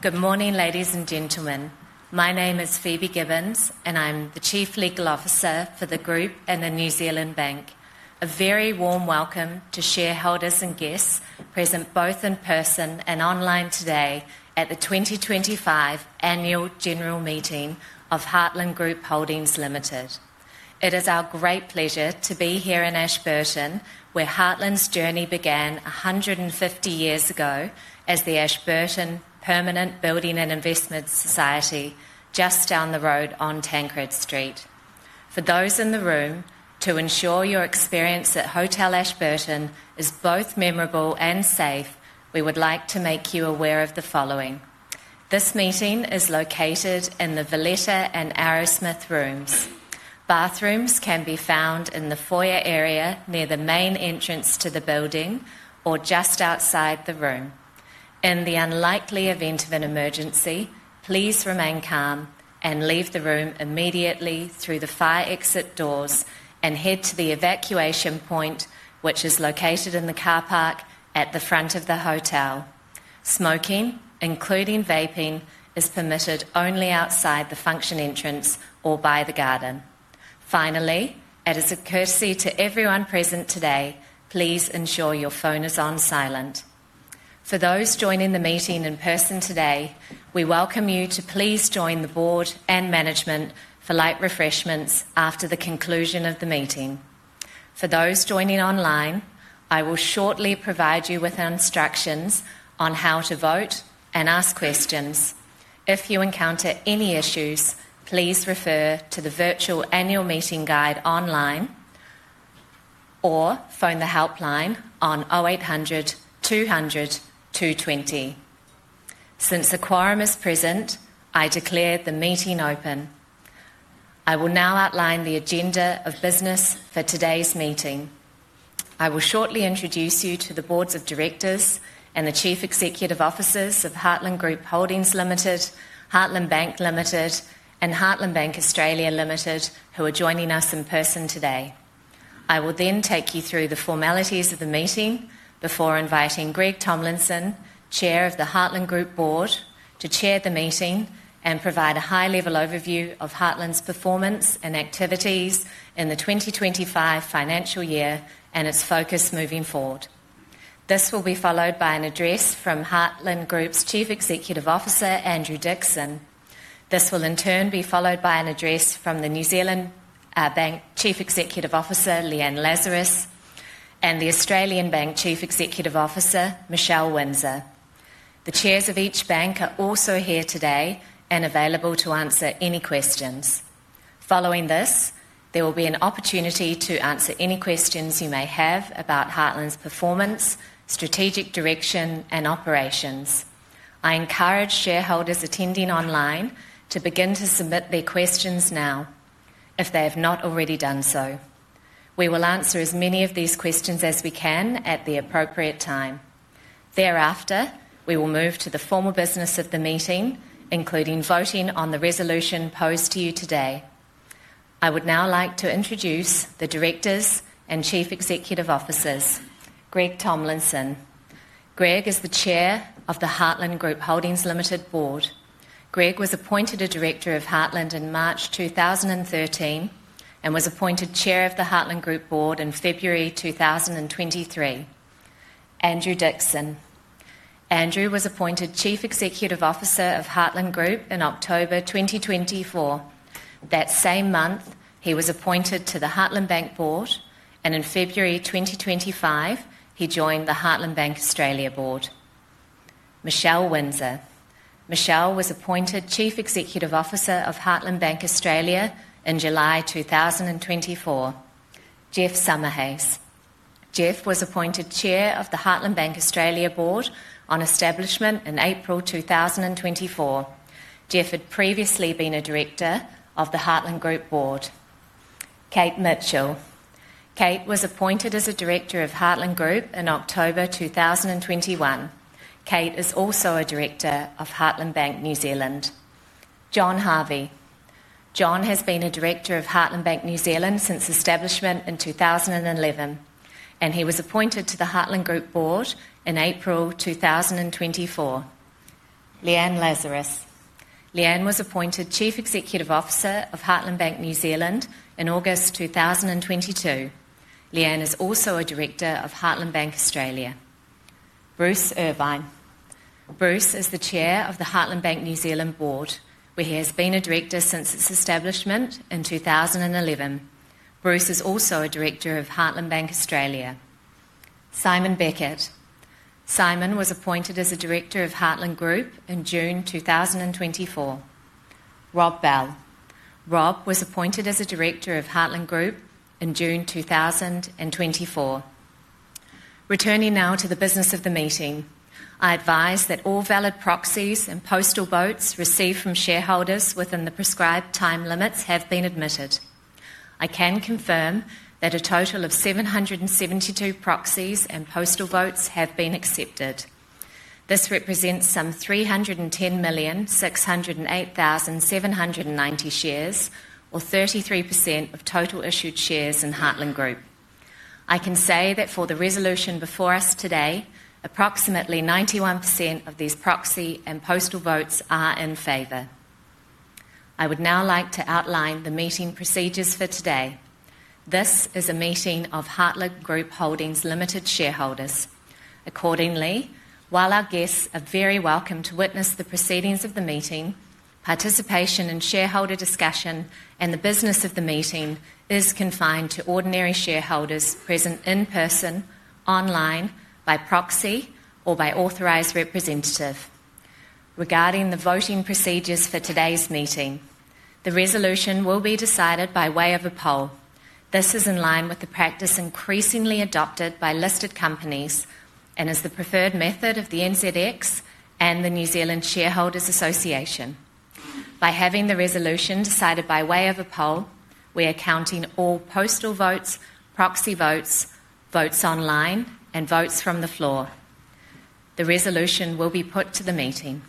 Good morning, ladies and gentlemen. My name is Phoebe Gibbons, and I'm the Chief Legal Officer for the Group and the New Zealand Bank. A very warm welcome to shareholders and guests present both in person and online today at the 2025 Annual General Meeting of Heartland Group Holdings Limited. It is our great pleasure to be here in Ashburton, where Heartland's journey began 150 years ago as the Ashburton Permanent Building and Investment Society, just down the road on Tankred Street. For those in the room, to ensure your experience at Hotel Ashburton is both memorable and safe, we would like to make you aware of the following. This meeting is located in the Villetta and Arrowsmith Rooms. Bathrooms can be found in the foyer area near the main entrance to the building or just outside the room. In the unlikely event of an emergency, please remain calm and leave the room immediately through the fire exit doors and head to the evacuation point, which is located in the car park at the front of the hotel. Smoking, including vaping, is permitted only outside the function entrance or by the garden. Finally, as a courtesy to everyone present today, please ensure your phone is on silent. For those joining the meeting in person today, we welcome you to please join the board and management for light refreshments after the conclusion of the meeting. For those joining online, I will shortly provide you with instructions on how to vote and ask questions. If you encounter any issues, please refer to the virtual annual meeting guide online or phone the helpline on 0800 200 220. Since the quorum is present, I declare the meeting open. I will now outline the agenda of business for today's meeting. I will shortly introduce you to the boards of directors and the Chief Executive Officers of Heartland Group Holdings Limited, Heartland Bank Limited, and Heartland Bank Australia Limited, who are joining us in person today. I will then take you through the formalities of the meeting before inviting Greg Tomlinson, Chair of the Heartland Group Board, to chair the meeting and provide a high-level overview of Heartland's performance and activities in the 2025 financial year and its focus moving forward. This will be followed by an address from Heartland Group's Chief Executive Officer, Andrew Dixon. This will in turn be followed by an address from the New Zealand Bank Chief Executive Officer, Leanne Lazarus, and the Australian Bank Chief Executive Officer, Michelle Windsor. The chairs of each bank are also here today and available to answer any questions. Following this, there will be an opportunity to answer any questions you may have about Heartland's performance, strategic direction, and operations. I encourage shareholders attending online to begin to submit their questions now, if they have not already done so. We will answer as many of these questions as we can at the appropriate time. Thereafter, we will move to the formal business of the meeting, including voting on the resolution posed to you today. I would now like to introduce the directors and Chief Executive Officers, Greg Tomlinson. Greg is the Chair of the Heartland Group Holdings Limited Board. Greg was appointed a director of Heartland in March 2013 and was appointed Chair of the Heartland Group Board in February 2023. Andrew Dixon. Andrew was appointed Chief Executive Officer of Heartland Group in October 2024. That same month, he was appointed to the Heartland Bank Board, and in February 2025, he joined the Heartland Bank Australia Board. Michelle Windsor. Michelle was appointed Chief Executive Officer of Heartland Bank Australia in July 2024. Geoff Summerhayes. Geoff was appointed Chair of the Heartland Bank Australia Board on establishment in April 2024. Geoff had previously been a director of the Heartland Group Board. Kate Mitchell. Kate was appointed as a director of Heartland Group in October 2021. Kate is also a director of Heartland Bank New Zealand. John Harvey. John has been a director of Heartland Bank New Zealand since establishment in 2011, and he was appointed to the Heartland Group Board in April 2024. Leanne Lazarus. Leanne was appointed Chief Executive Officer of Heartland Bank New Zealand in August 2022. Leanne is also a director of Heartland Bank Australia. Bruce Irvine. Bruce is the Chair of the Heartland Bank New Zealand Board, where he has been a director since its establishment in 2011. Bruce is also a director of Heartland Bank Australia. Simon Beckett. Simon was appointed as a director of Heartland Group in June 2024. Rob Bell. Rob was appointed as a director of Heartland Group in June 2024. Returning now to the business of the meeting, I advise that all valid proxies and postal votes received from shareholders within the prescribed time limits have been admitted. I can confirm that a total of 772 proxies and postal votes have been accepted. This represents some 310,608,790 shares, or 33% of total issued shares in Heartland Group. I can say that for the resolution before us today, approximately 91% of these proxy and postal votes are in favor. I would now like to outline the meeting procedures for today. This is a meeting of Heartland Group Holdings Limited shareholders. Accordingly, while our guests are very welcome to witness the proceedings of the meeting, participation in shareholder discussion and the business of the meeting is confined to ordinary shareholders present in person, online, by proxy or by authorised representative. Regarding the voting procedures for today's meeting, the resolution will be decided by way of a poll. This is in line with the practice increasingly adopted by listed companies and is the preferred method of the NZX and the New Zealand Shareholders Association. By having the resolution decided by way of a poll, we are counting all postal votes, proxy votes, votes online, and votes from the floor. The resolution will be put to the meeting.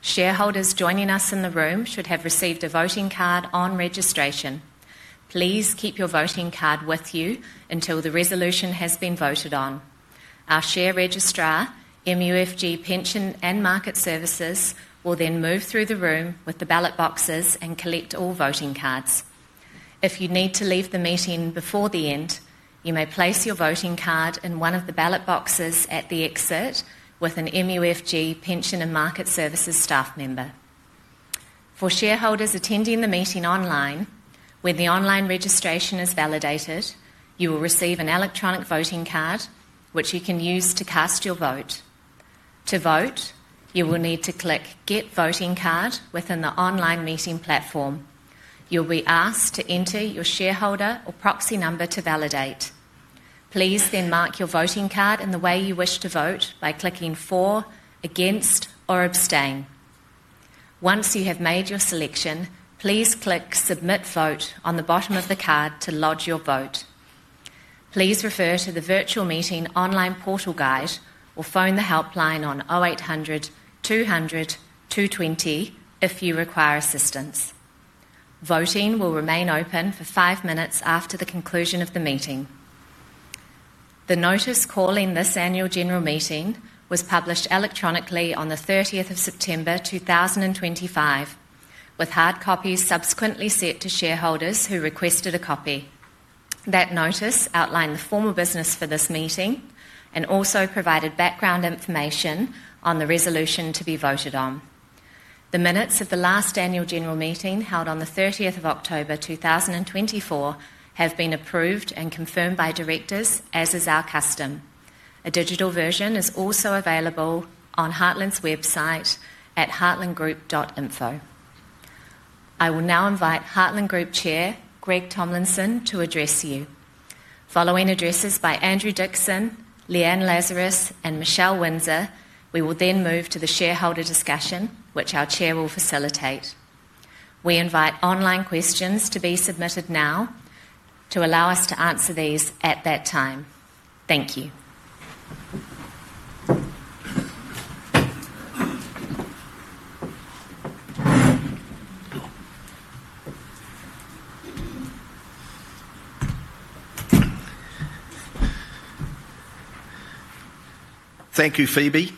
Shareholders joining us in the room should have received a voting card on registration. Please keep your voting card with you until the resolution has been voted on. Our share registrar, MUFG Pension and Market Services, will then move through the room with the ballot boxes and collect all voting cards. If you need to leave the meeting before the end, you may place your voting card in one of the ballot boxes at the exit with an MUFG Pension and Market Services staff member. For shareholders attending the meeting online, when the online registration is validated, you will receive an electronic voting card, which you can use to cast your vote. To vote, you will need to click "Get Voting Card" within the online meeting platform. You'll be asked to enter your shareholder or proxy number to validate. Please then mark your voting card in the way you wish to vote by clicking "For," "Against," or "Abstain." Once you have made your selection, please click "Submit Vote" on the bottom of the card to lodge your vote. Please refer to the virtual meeting online portal guide or phone the helpline on 0800 200 220 if you require assistance. Voting will remain open for five minutes after the conclusion of the meeting. The notice calling this annual general meeting was published electronically on the 30th of September 2025, with hard copies subsequently sent to shareholders who requested a copy. That notice outlined the formal business for this meeting and also provided background information on the resolution to be voted on. The minutes of the last annual general meeting held on the 30th of October 2024 have been approved and confirmed by directors, as is our custom. A digital version is also available on Heartland's website at heartlandgroup.info. I will now invite Heartland Group Chair Greg Tomlinson to address you. Following addresses by Andrew Dixon, Leanne Lazarus, and Michelle Windsor, we will then move to the shareholder discussion, which our Chair will facilitate. We invite online questions to be submitted now to allow us to answer these at that time. Thank you. Thank you, Phoebe.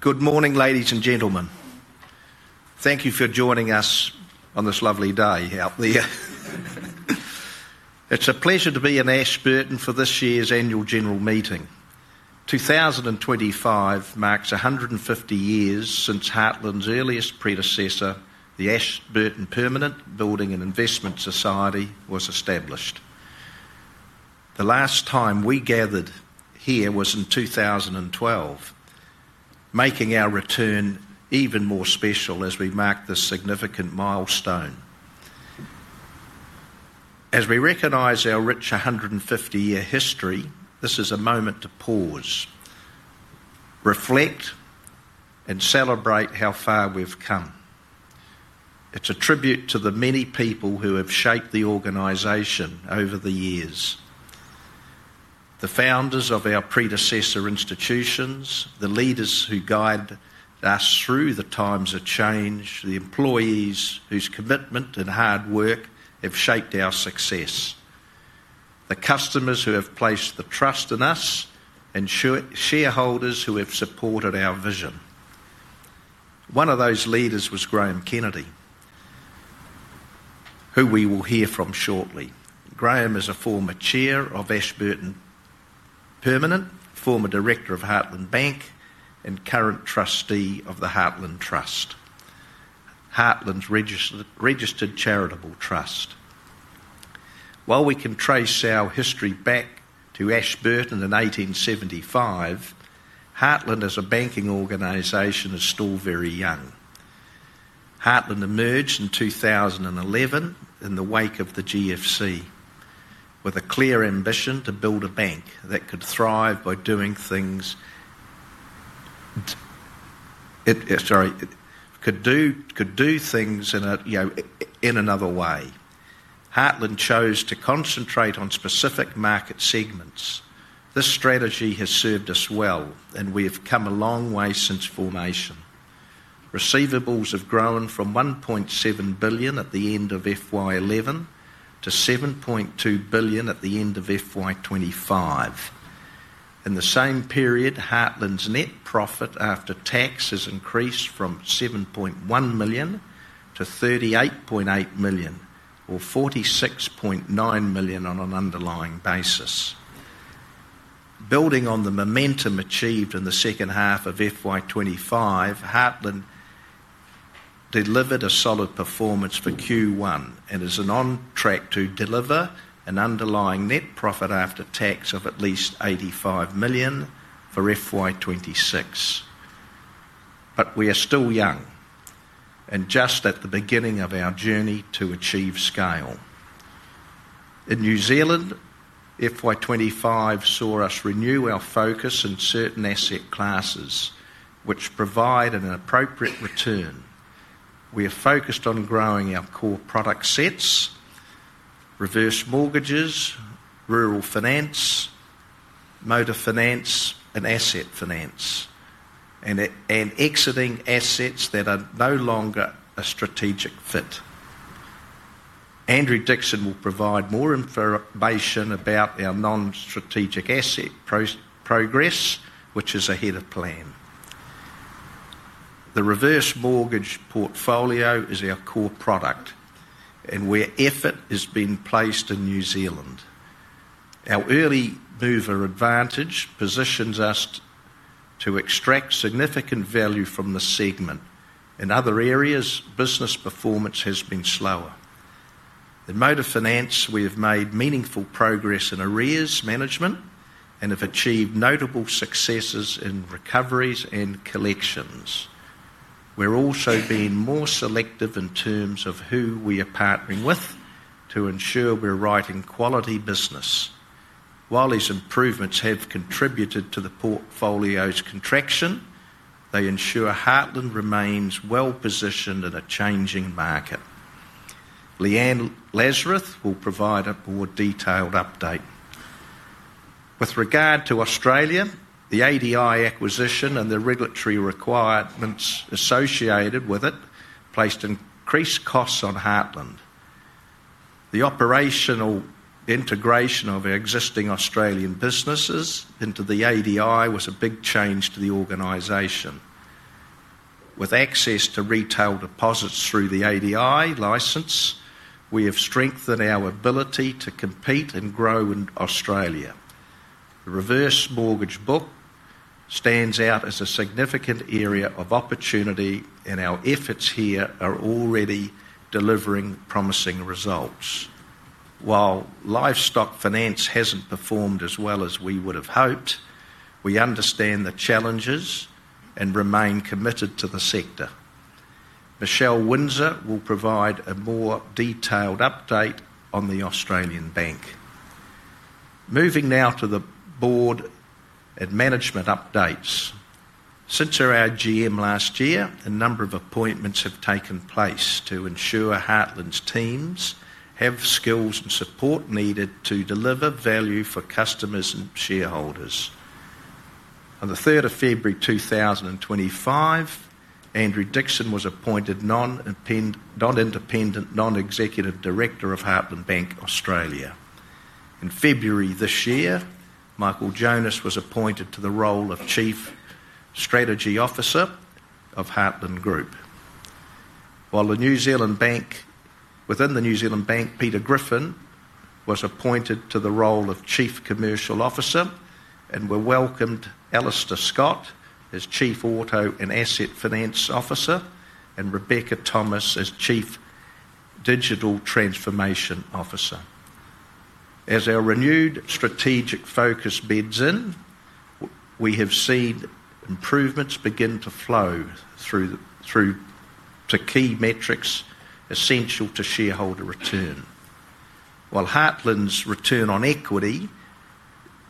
Good morning, ladies and gentlemen. Thank you for joining us on this lovely day out there. It is a pleasure to be in Ashburton for this year's annual general meeting. 2025 marks 150 years since Heartland's earliest predecessor, the Ashburton Permanent Building and Investment Society, was established. The last time we gathered here was in 2012, making our return even more special as we mark this significant milestone. As we recognize our rich 150-year history, this is a moment to pause, reflect, and celebrate how far we have come. It is a tribute to the many people who have shaped the organization over the years, the founders of our predecessor institutions, the leaders who guided us through the times of change, the employees whose commitment and hard work have shaped our success, the customers who have placed the trust in us, and shareholders who have supported our vision. One of those leaders was Graham Kennedy, who we will hear from shortly. Graham is a former chair of Ashburton Permanent, former director of Heartland Bank, and current trustee of the Heartland Trust, Heartland's registered charitable trust. While we can trace our history back to Ashburton in 1875, Heartland as a banking organization is still very young. Heartland emerged in 2011 in the wake of the GFC, with a clear ambition to build a bank that could thrive by doing things in a, you know, in another way. Heartland chose to concentrate on specific market segments. This strategy has served us well, and we have come a long way since formation. Receivables have grown from 1.7 billion at the end of FY11 to 7.2 billion at the end of FY25. In the same period, Heartland's net profit after tax has increased from 7.1 million to 38.8 million, or 46.9 million on an underlying basis. Building on the momentum achieved in the second half of FY25, Heartland delivered a solid performance for Q1 and is on track to deliver an underlying net profit after tax of at least 85 million for FY 2026. We are still young and just at the beginning of our journey to achieve scale. In New Zealand, FY25 saw us renew our focus in certain asset classes, which provide an appropriate return. We are focused on growing our core product sets: reverse mortgages, rural finance, motor finance, and asset finance, and exiting assets that are no longer a strategic fit. Andrew Dixon will provide more information about our non-strategic asset progress, which is ahead of plan. The reverse mortgage portfolio is our core product, and where effort has been placed in New Zealand. Our early mover advantage positions us to extract significant value from the segment. In other areas, business performance has been slower. In motor finance, we have made meaningful progress in arrears management and have achieved notable successes in recoveries and collections. We're also being more selective in terms of who we are partnering with to ensure we're writing quality business. While these improvements have contributed to the portfolio's contraction, they ensure Heartland remains well positioned in a changing market. Leanne Lazarus will provide a more detailed update. With regard to Australia, the ADI acquisition and the regulatory requirements associated with it placed increased costs on Heartland. The operational integration of existing Australian businesses into the ADI was a big change to the organization. With access to retail deposits through the ADI license, we have strengthened our ability to compete and grow in Australia. The reverse mortgage book stands out as a significant area of opportunity, and our efforts here are already delivering promising results. While livestock finance has not performed as well as we would have hoped, we understand the challenges and remain committed to the sector. Michelle Windsor will provide a more detailed update on the Australian Bank. Moving now to the board and management updates. Since our AGM last year, a number of appointments have taken place to ensure Heartland's teams have the skills and support needed to deliver value for customers and shareholders. On the 3rd of February 2025, Andrew Dixon was appointed non-independent non-executive director of Heartland Bank Australia. In February this year, Michael Jonas was appointed to the role of Chief Strategy Officer of Heartland Group. Within the New Zealand Bank, Peter Griffin was appointed to the role of Chief Commercial Officer, and we welcomed Alastair Scott as Chief Auto and Asset Finance Officer and Rebecca Thomas as Chief Digital Transformation Officer. As our renewed strategic focus beds in, we have seen improvements begin to flow through to key metrics essential to shareholder return. While Heartland's return on equity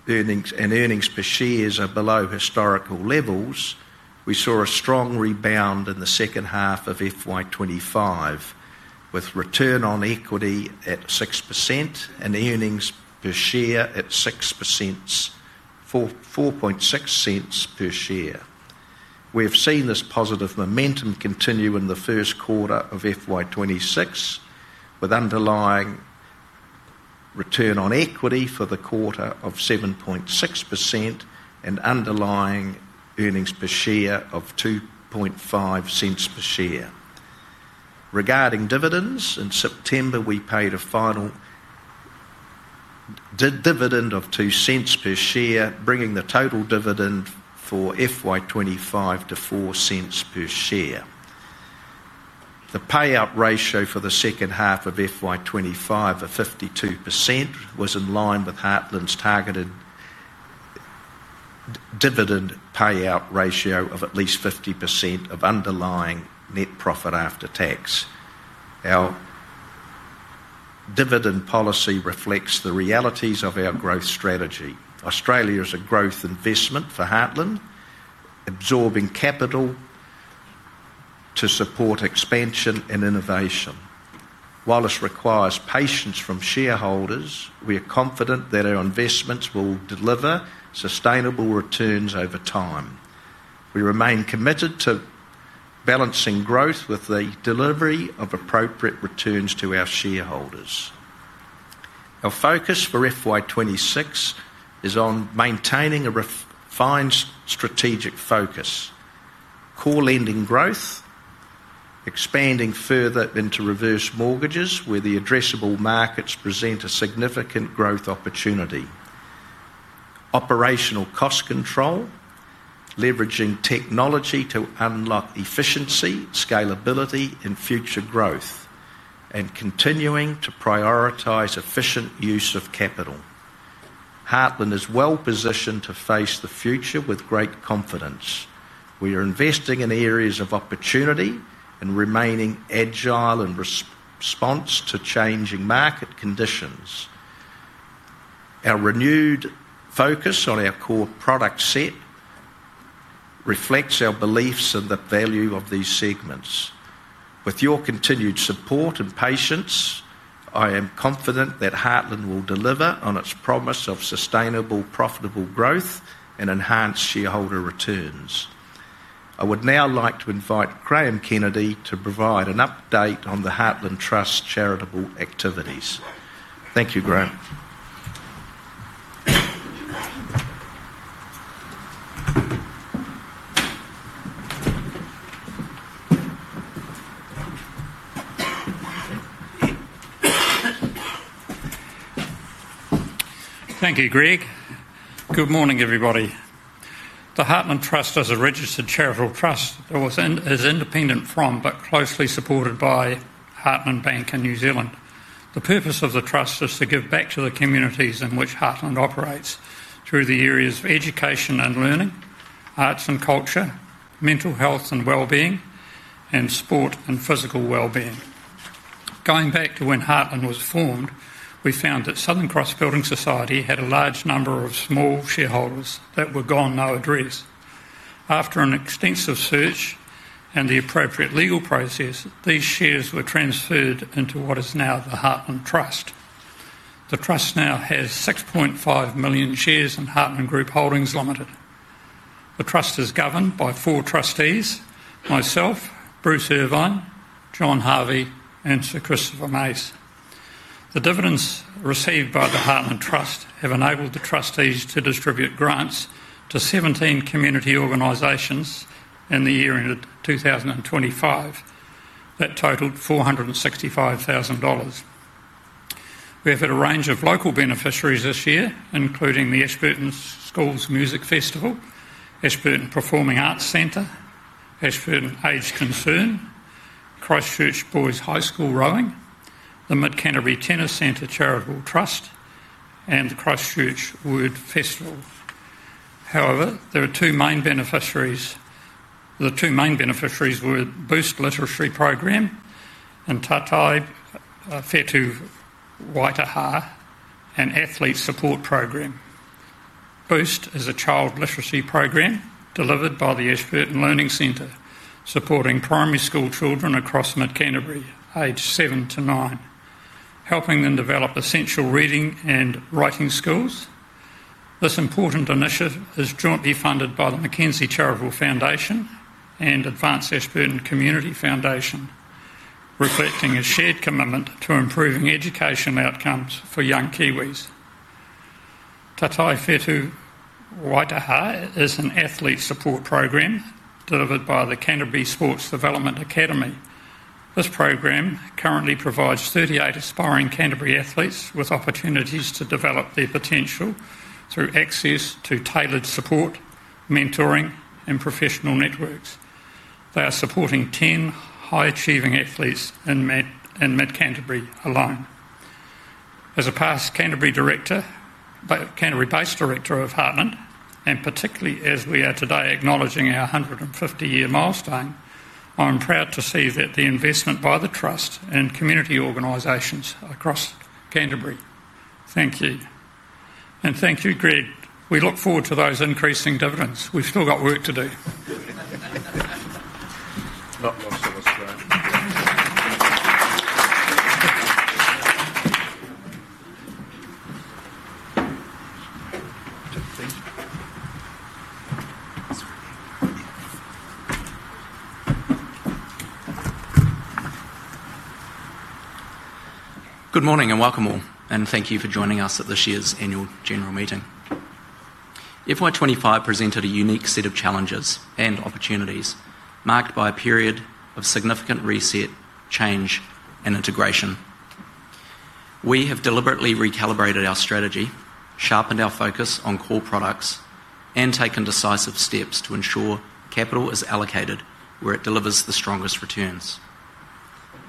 and earnings per share are below historical levels, we saw a strong rebound in the second half of 2025, with return on equity at 6% and earnings per share at $0.066 per share. We have seen this positive momentum continue in the first quarter of 2026, with underlying return on equity for the quarter of 7.6% and underlying earnings per share of $0.025 per share. Regarding dividends, in September, we paid a final dividend of 0.02 per share, bringing the total dividend for FY25 to 0.04 per share. The payout ratio for the second half of FY25 of 52% was in line with Heartland's targeted dividend payout ratio of at least 50% of underlying net profit after tax. Our dividend policy reflects the realities of our growth strategy. Australia is a growth investment for Heartland, absorbing capital to support expansion and innovation. While this requires patience from shareholders, we are confident that our investments will deliver sustainable returns over time. We remain committed to balancing growth with the delivery of appropriate returns to our shareholders. Our focus for FY 2026 is on maintaining a refined strategic focus, core lending growth, expanding further into reverse mortgages, where the addressable markets present a significant growth opportunity, operational cost control, leveraging technology to unlock efficiency, scalability, and future growth, and continuing to prioritize efficient use of capital. Heartland is well positioned to face the future with great confidence. We are investing in areas of opportunity and remaining agile in response to changing market conditions. Our renewed focus on our core product set reflects our beliefs in the value of these segments. With your continued support and patience, I am confident that Heartland will deliver on its promise of sustainable, profitable growth and enhanced shareholder returns. I would now like to invite Graham Kennedy to provide an update on the Heartland Trust charitable activities. Thank you, Graham. Thank you, Greg. Good morning, everybody. The Heartland Trust is a registered charitable trust that is independent from but closely supported by Heartland Bank in New Zealand. The purpose of the trust is to give back to the communities in which Heartland operates through the areas of education and learning, arts and culture, mental health and well-being, and sport and physical well-being. Going back to when Heartland was formed, we found that Southern Cross Building Society had a large number of small shareholders that were gone no address. After an extensive search and the appropriate legal process, these shares were transferred into what is now the Heartland Trust. The trust now has 6.5 million shares in Heartland Group Holdings Limited. The trust is governed by four trustees: myself, Bruce Irvine, John Harvey, and Sir Christopher Mace. The dividends received by the Heartland Trust have enabled the trustees to distribute grants to 17 community organizations in the year 2025. That totaled 465,000 dollars. We have had a range of local beneficiaries this year, including the Ashburton Schools Music Festival, Ashburton Performing Arts Centre, Ashburton Age Concern, Christchurch Boys High School Rowing, the Mid-Canterbury Tennis Centre Charitable Trust, and the Christchurch Wood Festival. However, there are two main beneficiaries. The two main beneficiaries were Boost Literacy Programme and Tātai Whetū Waitaha and Athlete Support Programme. Boost is a child literacy programme delivered by the Ashburton Learning Centre, supporting primary school children across Mid-Canterbury, age seven to nine helping them develop essential reading and writing skills. This important initiative is jointly funded by the Mackenzie Charitable Foundation and Advanced Ashburton Community Foundation, reflecting a shared commitment to improving educational outcomes for young Kiwis. Tātai Whetū Waitaha is an athlete support program delivered by the Canterbury Sports Development Academy. This program currently provides 38 aspiring Canterbury athletes with opportunities to develop their potential through access to tailored support, mentoring, and professional networks. They are supporting 10 high-achieving athletes in Mid-Canterbury alone. As a past Canterbury-based director of Heartland, and particularly as we are today acknowledging our 150-year milestone, I'm proud to see that the investment by the trust and community organizations across Canterbury. Thank you. Thank you, Greg. We look forward to those increasing dividends. We've still got work to do. Good morning and welcome all, and thank you for joining us at this year's annual general meeting. FY25 presented a unique set of challenges and opportunities marked by a period of significant reset, change, and integration. We have deliberately recalibrated our strategy, sharpened our focus on core products, and taken decisive steps to ensure capital is allocated where it delivers the strongest returns.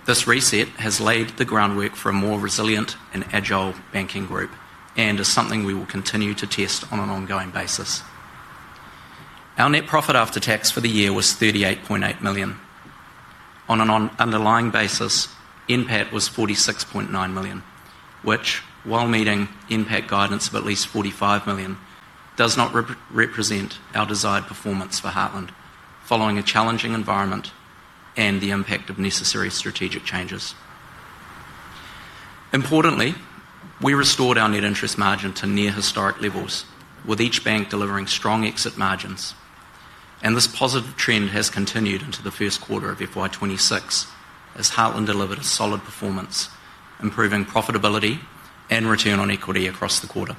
This reset has laid the groundwork for a more resilient and agile banking group and is something we will continue to test on an ongoing basis. Our net profit after tax for the year was 38.8 million. On an underlying basis, NPAT was 46.9 million, which, while meeting NPAT guidance of at least 45 million, does not represent our desired performance for Heartland, following a challenging environment and the impact of necessary strategic changes. Importantly, we restored our net interest margin to near historic levels, with each bank delivering strong exit margins. This positive trend has continued into the first quarter of FY2026, as Heartland delivered a solid performance, improving profitability and return on equity across the quarter.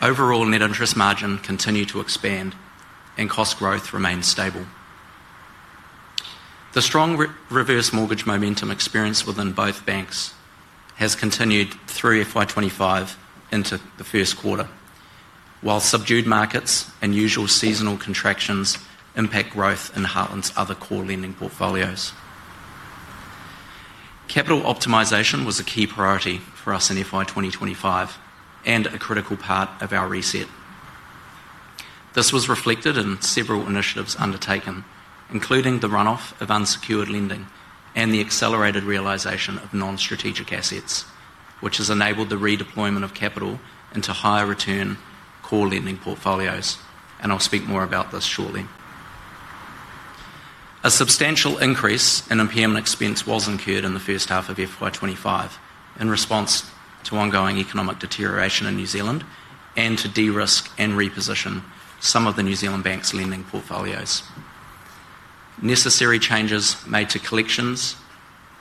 Overall, net interest margin continued to expand, and cost growth remained stable. The strong reverse mortgage momentum experienced within both banks has continued through FY2025 into the first quarter, while subdued markets and usual seasonal contractions impact growth in Heartland's other core lending portfolios. Capital optimization was a key priority for us in FY2025 and a critical part of our reset. This was reflected in several initiatives undertaken, including the run-off of unsecured lending and the accelerated realization of non-strategic assets, which has enabled the redeployment of capital into higher-return core lending portfolios. I will speak more about this shortly. A substantial increase in impairment expense was incurred in the first half of FY25 in response to ongoing economic deterioration in New Zealand and to de-risk and reposition some of the New Zealand Bank's lending portfolios. Necessary changes made to collections,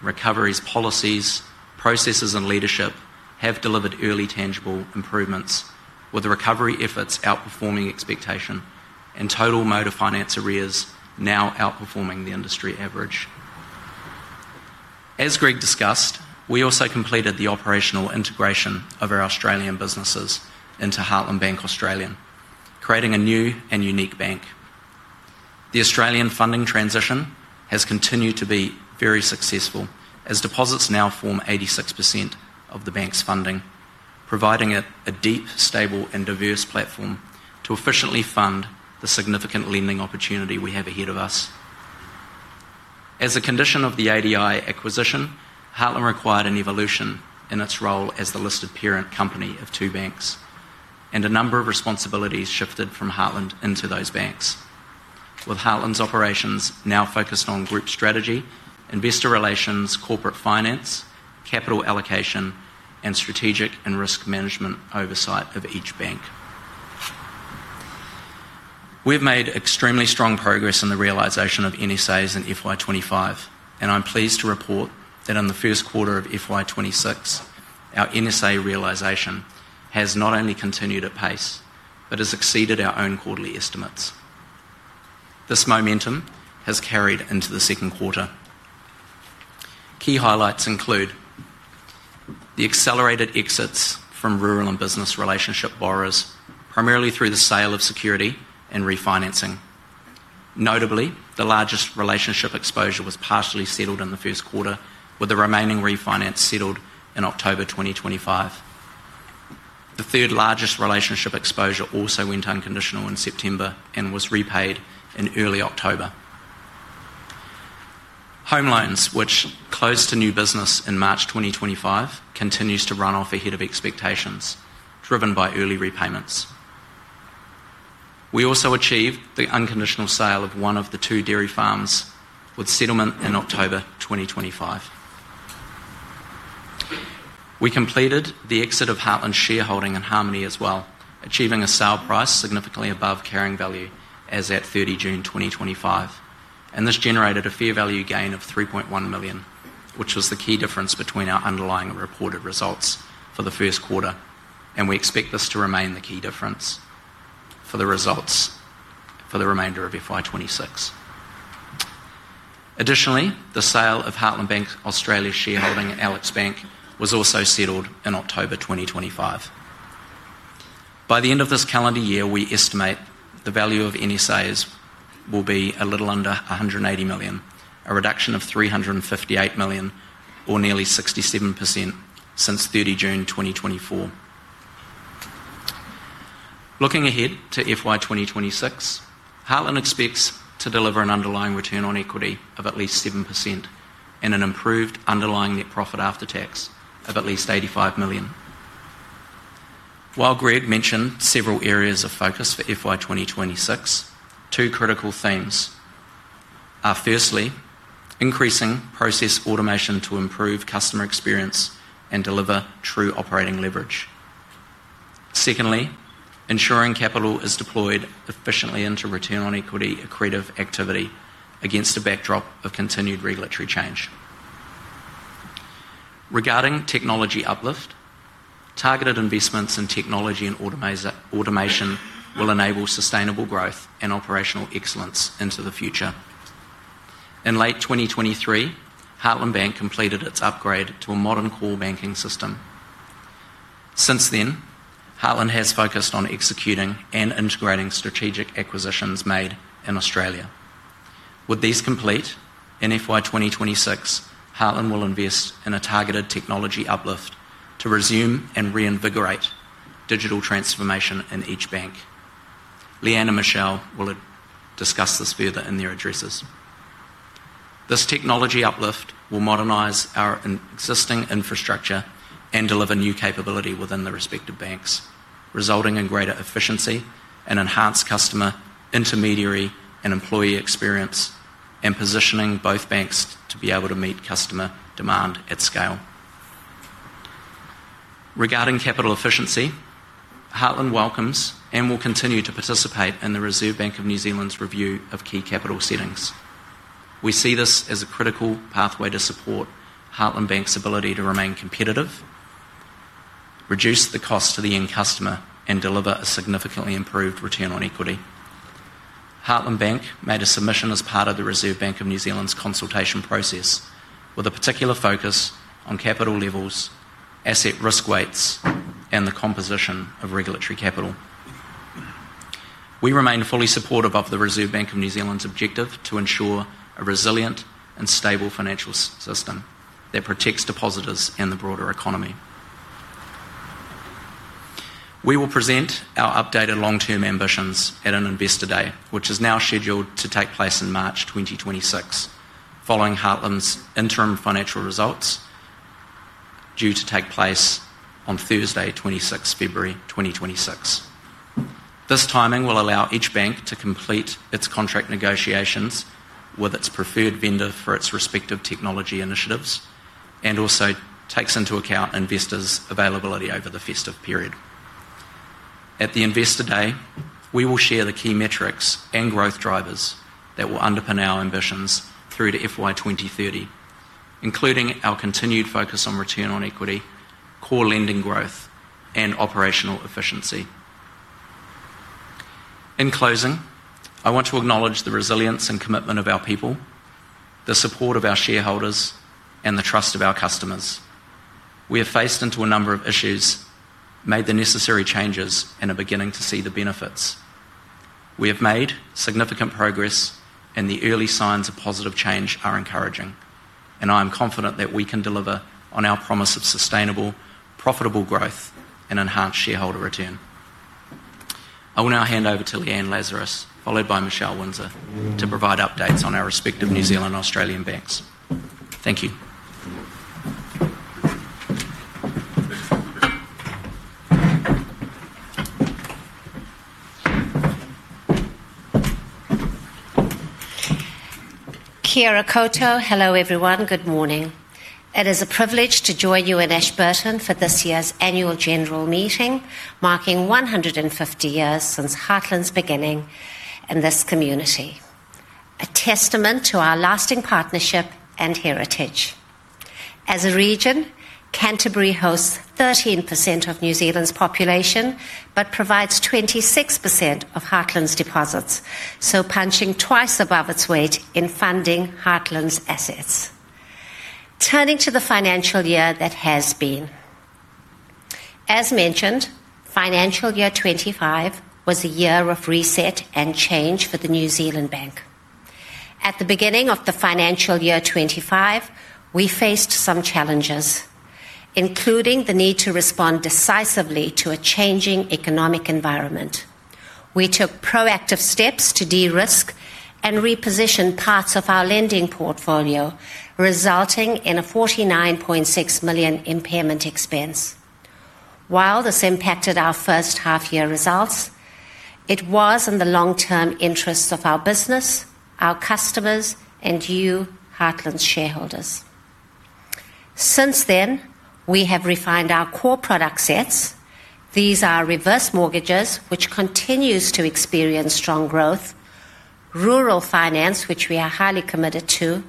recoveries policies, processes, and leadership have delivered early tangible improvements, with the recovery efforts outperforming expectation and total motor finance arrears now outperforming the industry average. As Greg discussed, we also completed the operational integration of our Australian businesses into Heartland Bank Australia, creating a new and unique bank. The Australian funding transition has continued to be very successful, as deposits now form 86% of the bank's funding, providing it a deep, stable, and diverse platform to efficiently fund the significant lending opportunity we have ahead of us. As a condition of the ADI acquisition, Heartland required an evolution in its role as the listed parent company of two banks, and a number of responsibilities shifted from Heartland into those banks, with Heartland's operations now focused on group strategy, investor relations, corporate finance, capital allocation, and strategic and risk management oversight of each bank. We have made extremely strong progress in the realisation of NSAs in FY25, and I'm pleased to report that in the first quarter of FY 2026, our NSA realisation has not only continued at pace but has exceeded our own quarterly estimates. This momentum has carried into the second quarter. Key highlights include the accelerated exits from rural and business relationship borrowers, primarily through the sale of security and refinancing. Notably, the largest relationship exposure was partially settled in the first quarter, with the remaining refinance settled in October 2025. The third largest relationship exposure also went unconditional in September and was repaid in early October. Home loans, which closed to new business in March 2025, continue to run off ahead of expectations, driven by early repayments. We also achieved the unconditional sale of one of the two dairy farms with settlement in October 2025. We completed the exit of Heartland's shareholding in Harmony as well, achieving a sale price significantly above carrying value as at 30 June 2025. This generated a fair value gain of 3.1 million, which was the key difference between our underlying reported results for the first quarter. We expect this to remain the key difference for the results for the remainder of FY 2026. Additionally, the sale of Heartland Bank Australia's shareholding at Alex Bank was also settled in October 2025. By the end of this calendar year, we estimate the value of NSAs will be a little under 180 million, a reduction of 358 million, or nearly 67% since 30 June 2024. Looking ahead to FY 2026, Heartland expects to deliver an underlying return on equity of at least 7% and an improved underlying net profit after tax of at least 85 million. While Greg mentioned several areas of focus for FY 2026, two critical themes are, firstly, increasing process automation to improve customer experience and deliver true operating leverage. Secondly, ensuring capital is deployed efficiently into return on equity accretive activity against a backdrop of continued regulatory change. Regarding technology uplift, targeted investments in technology and automation will enable sustainable growth and operational excellence into the future. In late 2023, Heartland Bank completed its upgrade to a modern core banking system. Since then, Heartland has focused on executing and integrating strategic acquisitions made in Australia. With these complete, in FY 2026, Heartland will invest in a targeted technology uplift to resume and reinvigorate digital transformation in each bank. Leanne and Michelle will discuss this further in their addresses. This technology uplift will modernize our existing infrastructure and deliver new capability within the respective banks, resulting in greater efficiency and enhanced customer, intermediary, and employee experience and positioning both banks to be able to meet customer demand at scale. Regarding capital efficiency, Heartland welcomes and will continue to participate in the Reserve Bank of New Zealand's review of key capital settings. We see this as a critical pathway to support Heartland Bank's ability to remain competitive, reduce the cost to the end customer, and deliver a significantly improved return on equity. Heartland Bank made a submission as part of the Reserve Bank of New Zealand's consultation process, with a particular focus on capital levels, asset risk weights, and the composition of regulatory capital. We remain fully supportive of the Reserve Bank of New Zealand's objective to ensure a resilient and stable financial system that protects depositors and the broader economy. We will present our updated long-term ambitions at an investor day, which is now scheduled to take place in March 2026, following Heartland's interim financial results, due to take place on Thursday, 26 February 2026. This timing will allow each bank to complete its contract negotiations with its preferred vendor for its respective technology initiatives and also takes into account investors' availability over the festive period. At the investor day, we will share the key metrics and growth drivers that will underpin our ambitions through to FY2030, including our continued focus on return on equity, core lending growth, and operational efficiency. In closing, I want to acknowledge the resilience and commitment of our people, the support of our shareholders, and the trust of our customers. We have faced into a number of issues, made the necessary changes, and are beginning to see the benefits. We have made significant progress, and the early signs of positive change are encouraging. I am confident that we can deliver on our promise of sustainable, profitable growth and enhanced shareholder return. I will now hand over to Leanne Lazarus, followed by Michelle Windsor, to provide updates on our respective New Zealand and Australian banks. Thank you. Hello everyone. Good morning. It is a privilege to join you in Ashburton for this year's annual general meeting, marking 150 years since Heartland's beginning in this community, a testament to our lasting partnership and heritage. As a region, Canterbury hosts 13% of New Zealand's population but provides 26% of Heartland's deposits, so punching twice above its weight in funding Heartland's assets. Turning to the financial year that has been, as mentioned, financial year 2025 was a year of reset and change for the New Zealand Bank. At the beginning of financial year 2025, we faced some challenges, including the need to respond decisively to a changing economic environment. We took proactive steps to de-risk and reposition parts of our lending portfolio, resulting in a 49.6 million impairment expense. While this impacted our first half-year results, it was in the long-term interests of our business, our customers, and you, Heartland's shareholders. Since then, we have refined our core product sets. These are reverse mortgages, which continues to experience strong growth, rural finance, which we are highly committed to,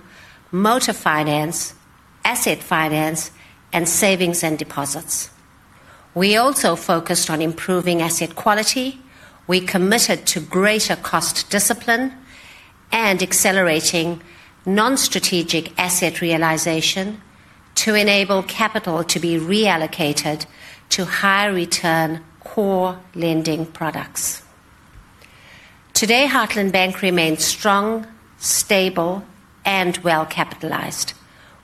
motor finance, asset finance, and savings and deposits. We also focused on improving asset quality. We committed to greater cost discipline and accelerating non-strategic asset realisation to enable capital to be reallocated to high-return core lending products. Today, Heartland Bank remains strong, stable, and well-capitalized.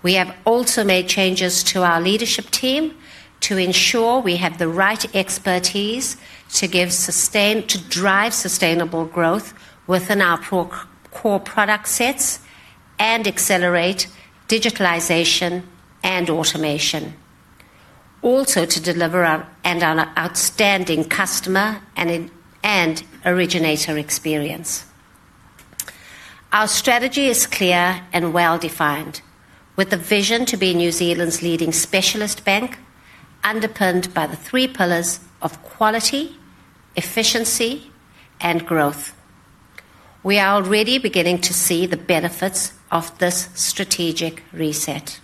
We have also made changes to our leadership team to ensure we have the right expertise to drive sustainable growth within our core product sets and accelerate digitalization and automation, also to deliver an outstanding customer and originator experience. Our strategy is clear and well-defined, with the vision to be New Zealand's leading specialist bank, underpinned by the three pillars of quality, efficiency, and growth. We are already beginning to see the benefits of this strategic reset.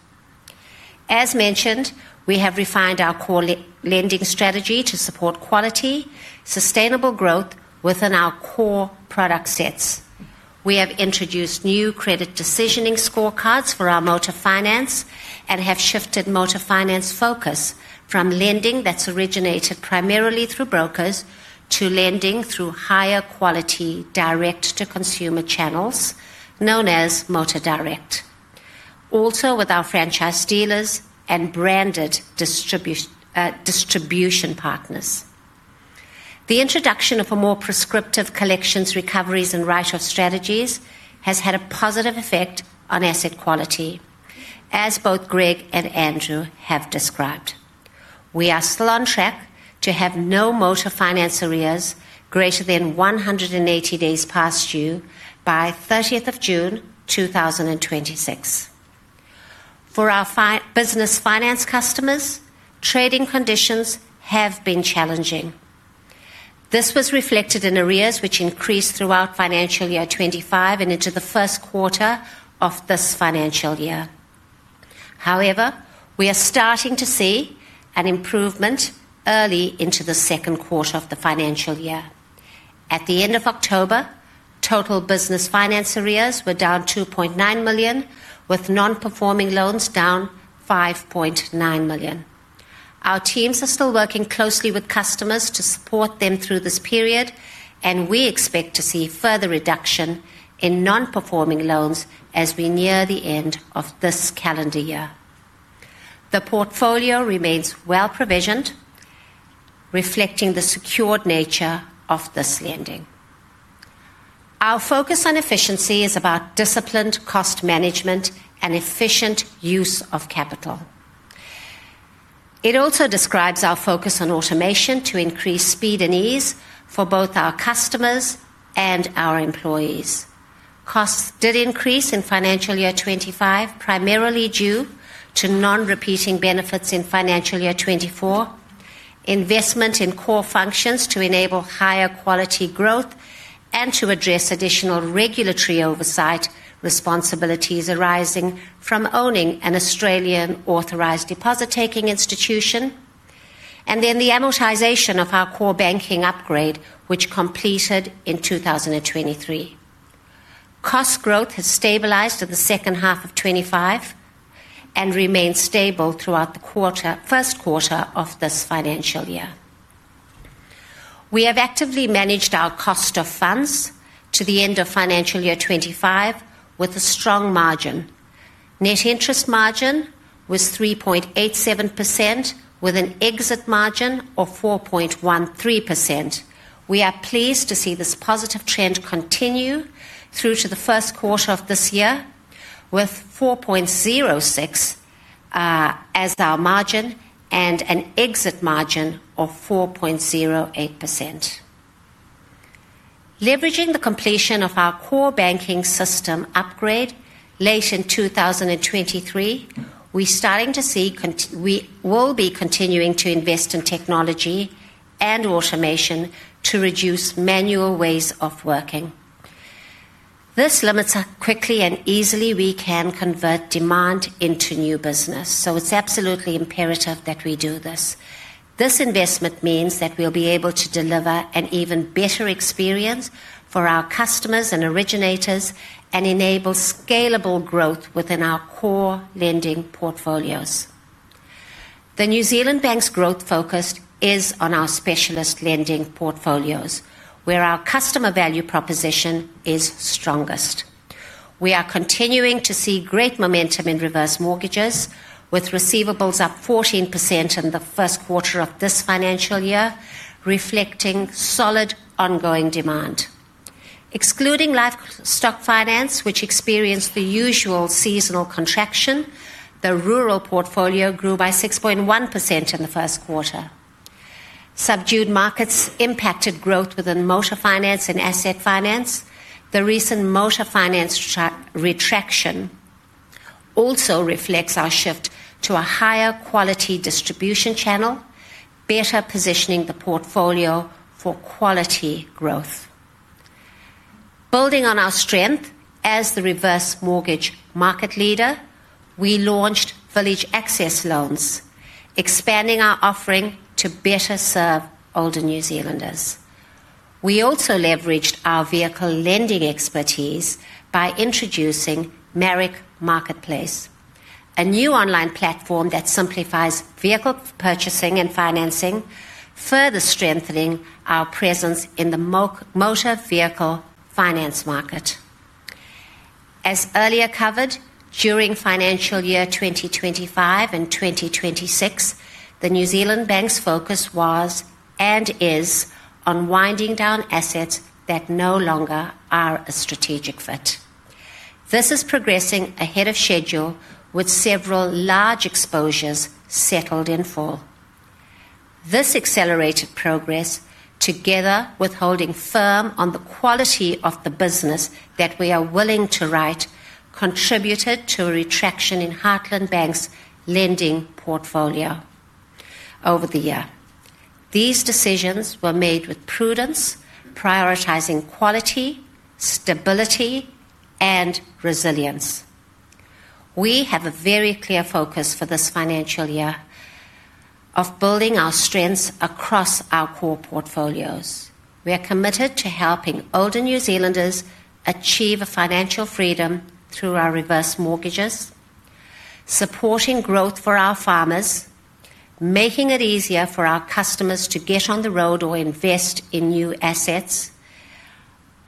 As mentioned, we have refined our core lending strategy to support quality, sustainable growth within our core product sets. We have introduced new credit decisioning scorecards for our motor finance and have shifted motor finance focus from lending that is originated primarily through brokers to lending through higher quality direct-to-consumer channels known as motor direct, also with our franchise dealers and branded distribution partners. The introduction of a more prescriptive collections, recoveries, and write-off strategies has had a positive effect on asset quality, as both Greg and Andrew have described. We are still on track to have no motor finance arrears greater than 180 days past due by 30 June 2026. For our business finance customers, trading conditions have been challenging. This was reflected in arrears which increased throughout financial year 2025 and into the first quarter of this financial year. However, we are starting to see an improvement early into the second quarter of the financial year. At the end of October, total business finance arrears were down 2.9 million, with non-performing loans down 5.9 million. Our teams are still working closely with customers to support them through this period, and we expect to see further reduction in non-performing loans as we near the end of this calendar year. The portfolio remains well-provisioned, reflecting the secured nature of this lending. Our focus on efficiency is about disciplined cost management and efficient use of capital. It also describes our focus on automation to increase speed and ease for both our customers and our employees. Costs did increase in financial year 2025, primarily due to non-repeating benefits in financial year 2024, investment in core functions to enable higher quality growth, and to address additional regulatory oversight responsibilities arising from owning an Australian authorised deposit-taking institution, and then the amortization of our core banking upgrade, which completed in 2023. Cost growth has stabilized in the second half of 2025 and remained stable throughout the first quarter of this financial year. We have actively managed our cost of funds to the end of financial year 2025 with a strong margin. Net interest margin was 3.87%, with an exit margin of 4.13%. We are pleased to see this positive trend continue through to the first quarter of this year, with 4.06% as our margin and an exit margin of 4.08%. Leveraging the completion of our core banking system upgrade late in 2023, we will be continuing to invest in technology and automation to reduce manual ways of working. This limits how quickly and easily we can convert demand into new business. It is absolutely imperative that we do this. This investment means that we will be able to deliver an even better experience for our customers and originators and enable scalable growth within our core lending portfolios. The New Zealand Bank's growth focus is on our specialist lending portfolios, where our customer value proposition is strongest. We are continuing to see great momentum in reverse mortgages, with receivables up 14% in the first quarter of this financial year, reflecting solid ongoing demand. Excluding livestock finance, which experienced the usual seasonal contraction, the rural portfolio grew by 6.1% in the first quarter. Subdued markets impacted growth within motor finance and asset finance. The recent motor finance retraction also reflects our shift to a higher quality distribution channel, better positioning the portfolio for quality growth. Building on our strength as the reverse mortgage market leader, we launched village access loans, expanding our offering to better serve older New Zealanders. We also leveraged our vehicle lending expertise by introducing Merrick Marketplace, a new online platform that simplifies vehicle purchasing and financing, further strengthening our presence in the motor vehicle finance market. As earlier covered, during financial year 2025 and 2026, the New Zealand Bank's focus was and is on winding down assets that no longer are a strategic fit. This is progressing ahead of schedule, with several large exposures settled in full. This accelerated progress, together with holding firm on the quality of the business that we are willing to write, contributed to a retraction in Heartland Bank's lending portfolio over the year. These decisions were made with prudence, prioritizing quality, stability, and resilience. We have a very clear focus for this financial year of building our strengths across our core portfolios. We are committed to helping older New Zealanders achieve financial freedom through our reverse mortgages, supporting growth for our farmers, making it easier for our customers to get on the road or invest in new assets,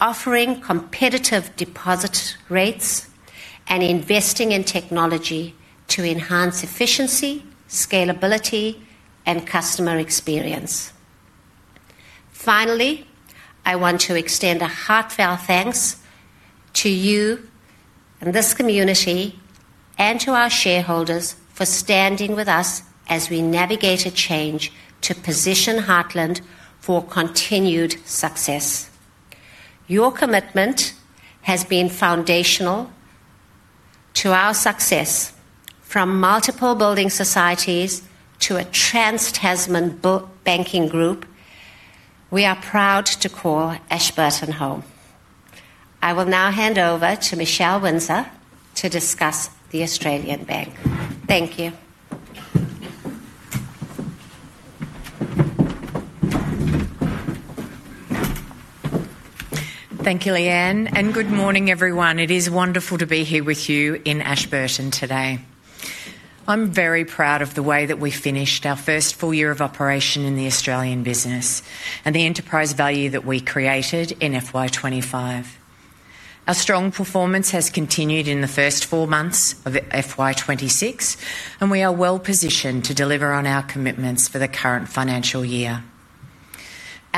offering competitive deposit rates, and investing in technology to enhance efficiency, scalability, and customer experience. Finally, I want to extend a heartfelt thanks to you and this community and to our shareholders for standing with us as we navigate a change to position Heartland for continued success. Your commitment has been foundational to our success. From multiple building societies to a trans Tasman banking group, we are proud to call Ashburton home. I will now hand over to Michelle Windsor to discuss the Australian Bank. Thank you. Thank you, Leanne, and good morning, everyone. It is wonderful to be here with you in Ashburton today. I'm very proud of the way that we finished our first full year of operation in the Australian business and the enterprise value that we created in FY25. Our strong performance has continued in the first four months of FY 2026, and we are well-positioned to deliver on our commitments for the current financial year.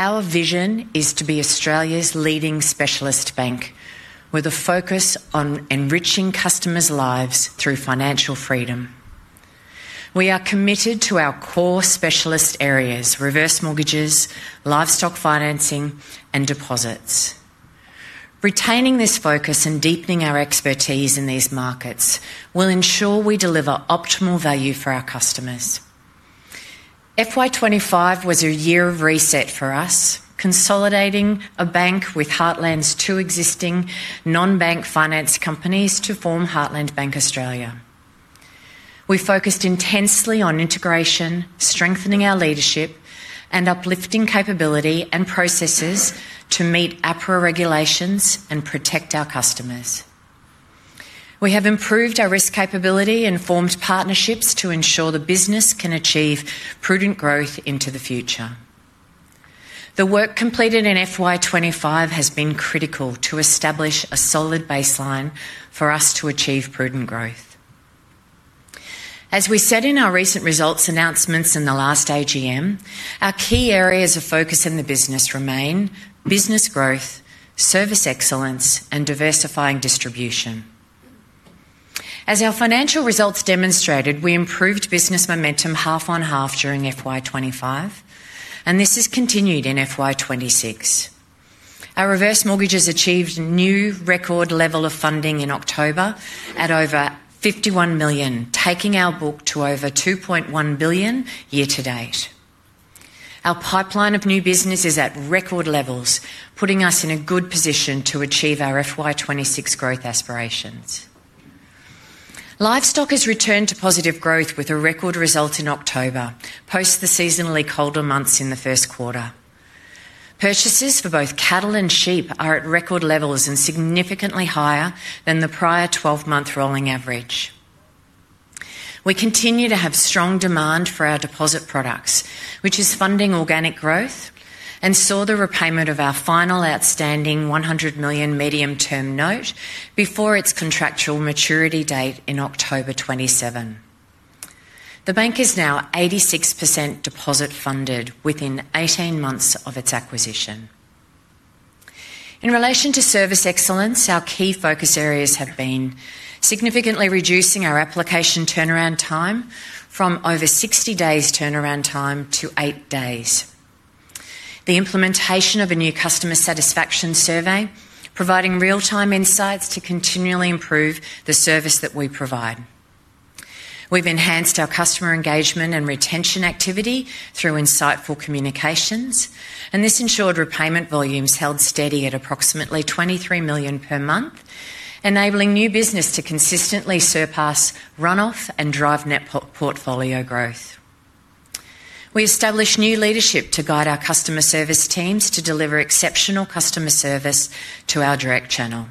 Our vision is to be Australia's leading specialist bank with a focus on enriching customers' lives through financial freedom. We are committed to our core specialist areas: reverse mortgages, livestock finance, and deposits. Retaining this focus and deepening our expertise in these markets will ensure we deliver optimal value for our customers. FY25 was a year of reset for us, consolidating a bank with Heartland's two existing non-bank finance companies to form Heartland Bank Australia. We focused intensely on integration, strengthening our leadership, and uplifting capability and processes to meet APRA regulations and protect our customers. We have improved our risk capability and formed partnerships to ensure the business can achieve prudent growth into the future. The work completed in FY2025 has been critical to establish a solid baseline for us to achieve prudent growth. As we said in our recent results announcements in the last AGM, our key areas of focus in the business remain business growth, service excellence, and diversifying distribution. As our financial results demonstrated, we improved business momentum half-on-half during FY2025, and this has continued in FY2026. Our reverse mortgages achieved a new record level of funding in October at over 51 million, taking our book to over 2.1 billion year-to-date. Our pipeline of new business is at record levels, putting us in a good position to achieve our FY 2026 growth aspirations. Livestock has returned to positive growth with a record result in October, post the seasonally colder months in the first quarter. Purchases for both cattle and sheep are at record levels and significantly higher than the prior 12-month rolling average. We continue to have strong demand for our deposit products, which is funding organic growth and saw the repayment of our final outstanding 100 million medium-term note before its contractual maturity date in October 2027. The bank is now 86% deposit-funded within 18 months of its acquisition. In relation to service excellence, our key focus areas have been significantly reducing our application turnaround time from over 60 days turnaround time to eight days, the implementation of a new customer satisfaction survey, providing real-time insights to continually improve the service that we provide. We've enhanced our customer engagement and retention activity through insightful communications, and this ensured repayment volumes held steady at approximately 23 million per month, enabling new business to consistently surpass runoff and drive net portfolio growth. We established new leadership to guide our customer service teams to deliver exceptional customer service to our direct channel.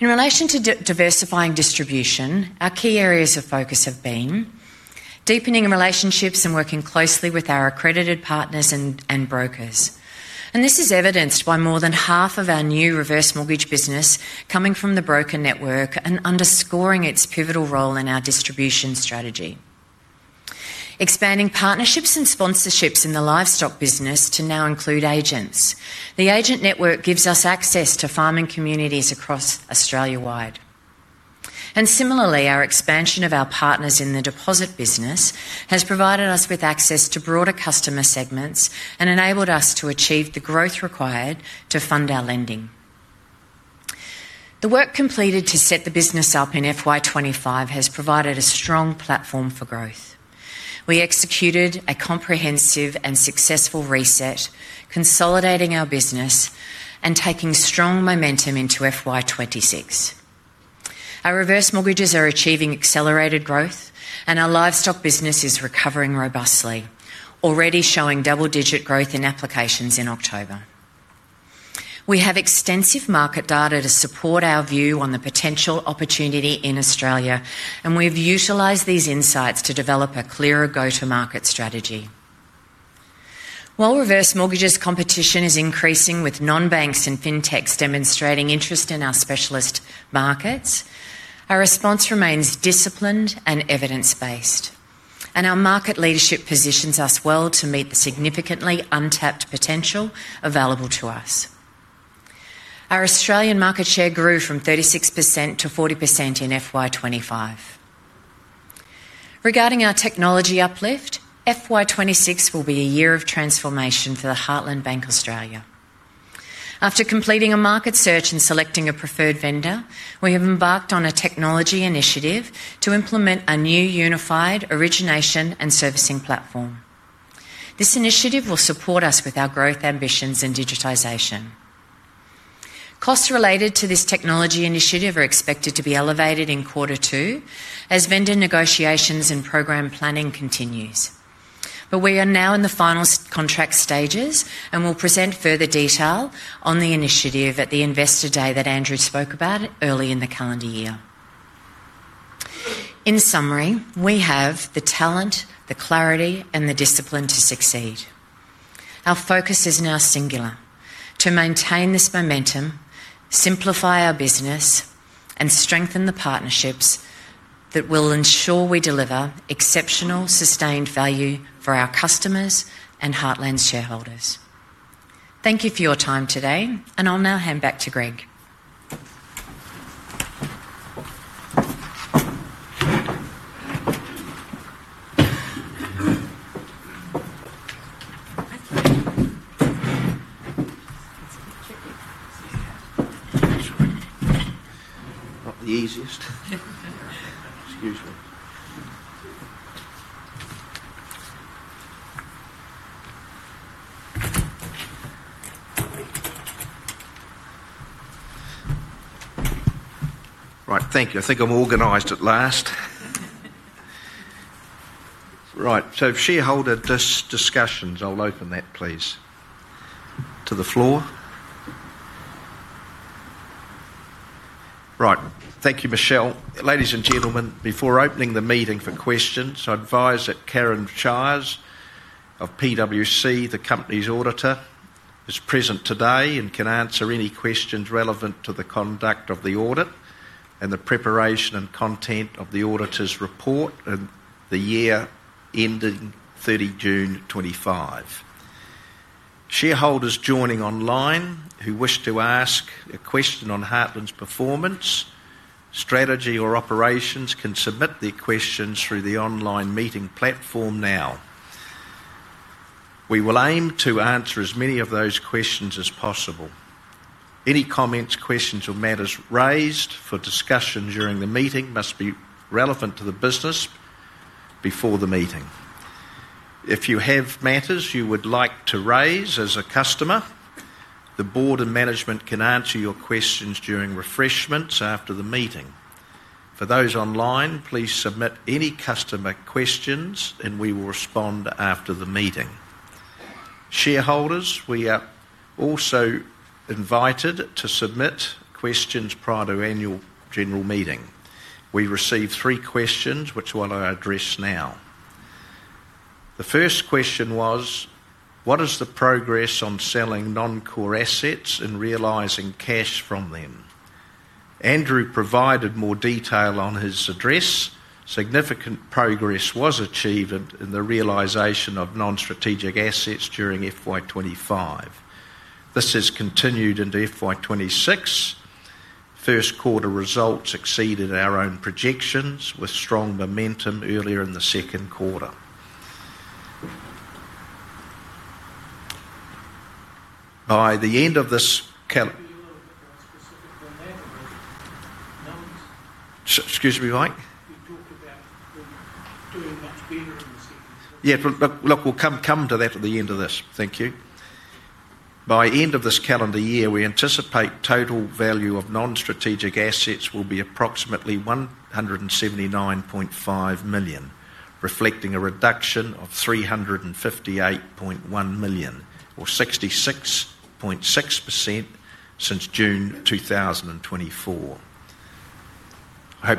In relation to diversifying distribution, our key areas of focus have been deepening relationships and working closely with our accredited partners and brokers. This is evidenced by more than half of our new reverse mortgage business coming from the broker network and underscoring its pivotal role in our distribution strategy. Expanding partnerships and sponsorships in the livestock business to now include agents. The agent network gives us access to farming communities across Australia wide. Similarly, our expansion of our partners in the deposit business has provided us with access to broader customer segments and enabled us to achieve the growth required to fund our lending. The work completed to set the business up in FY25 has provided a strong platform for growth. We executed a comprehensive and successful reset, consolidating our business and taking strong momentum into FY 2026. Our reverse mortgages are achieving accelerated growth, and our livestock business is recovering robustly, already showing double-digit growth in applications in October. We have extensive market data to support our view on the potential opportunity in Australia, and we've utilised these insights to develop a clearer go-to-market strategy. While reverse mortgages' competition is increasing, with non-banks and fintechs demonstrating interest in our specialist markets, our response remains disciplined and evidence-based, and our market leadership positions us well to meet the significantly untapped potential available to us. Our Australian market share grew from 36% to 40% in FY25. Regarding our technology uplift, FY 2026 will be a year of transformation for Heartland Bank Australia. After completing a market search and selecting a preferred vendor, we have embarked on a technology initiative to implement a new unified origination and servicing platform. This initiative will support us with our growth ambitions and digitisation. Costs related to this technology initiative are expected to be elevated in Q2 as vendor negotiations and program planning continues. We are now in the final contract stages, and we'll present further detail on the initiative at the investor day that Andrew spoke about early in the calendar year. In summary, we have the talent, the clarity, and the discipline to succeed. Our focus is now singular: to maintain this momentum, simplify our business, and strengthen the partnerships that will ensure we deliver exceptional sustained value for our customers and Heartland's shareholders. Thank you for your time today, and I'll now hand back to Greg. Not the easiest. Excuse me. Right, thank you. I think I'm organized at last. Right, so shareholder discussions, I'll open that, please, to the floor. Right, thank you, Michelle. Ladies and gentlemen, before opening the meeting for questions, I advise that Karen Shires of PwC, the company's auditor, is present today and can answer any questions relevant to the conduct of the audit and the preparation and content of the auditor's report and the year ending 30 June 2025. Shareholders joining online who wish to ask a question on Heartland's performance, strategy, or operations can submit their questions through the online meeting platform now. We will aim to answer as many of those questions as possible. Any comments, questions, or matters raised for discussion during the meeting must be relevant to the business before the meeting. If you have matters you would like to raise as a customer, the board and management can answer your questions during refreshments after the meeting. For those online, please submit any customer questions, and we will respond after the meeting. Shareholders, we are also invited to submit questions prior to our annual general meeting. We received three questions, which I'll address now. The first question was, what is the progress on selling non-core assets and realising cash from them? Andrew provided more detail on his address. Significant progress was achieved in the realisation of non-strategic assets during FY25. This has continued into FY 2026. First quarter results exceeded our own projections, with strong momentum earlier in the second quarter. By the end of this calendar year, we'll be a little bit more specific than that. Excuse me, Mike? Yeah, look, we'll come to that at the end of this. Thank you. By the end of this calendar year, we anticipate the total value of non-strategic assets will be approximately 179.5 million, reflecting a reduction of 358.1 million, or 66.6% since June 2024. I hope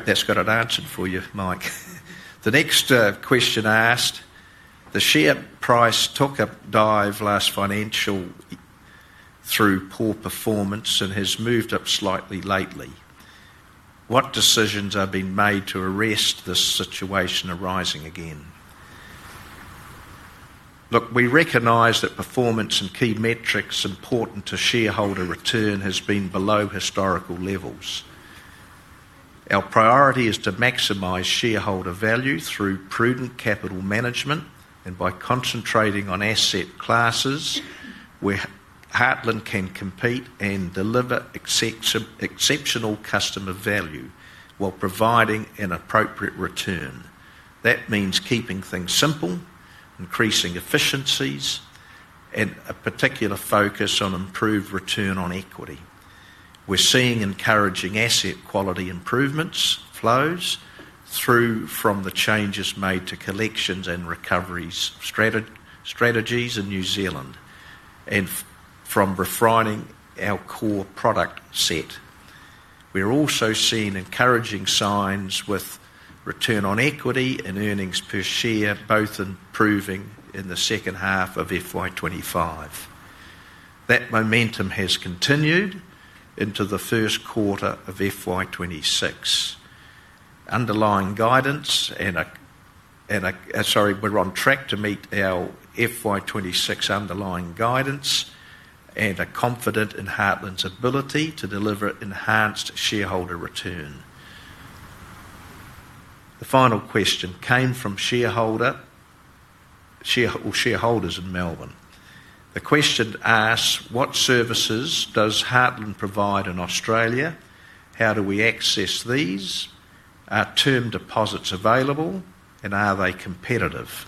that's got it answered for you, Mike. The next question asked, the share price took a dive last financial year through poor performance and has moved up slightly lately. What decisions have been made to arrest this situation arising again? Look, we recognize that performance and key metrics important to shareholder return have been below historical levels. Our priority is to maximize shareholder value through prudent capital management and by concentrating on asset classes where Heartland can compete and deliver exceptional customer value while providing an appropriate return. That means keeping things simple, increasing efficiencies, and a particular focus on improved return on equity. We're seeing encouraging asset quality improvements flows from the changes made to collections and recoveries strategies in New Zealand and from refining our core product set. We're also seeing encouraging signs with return on equity and earnings per share both improving in the second half of FY25. That momentum has continued into the first quarter of FY 2026. Underlying guidance and a, sorry, we're on track to meet our FY 2026 underlying guidance and are confident in Heartland's ability to deliver enhanced shareholder return. The final question came from shareholders in Melbourne. The question asked, what services does Heartland provide in Australia? How do we access these? Are term deposits available, and are they competitive?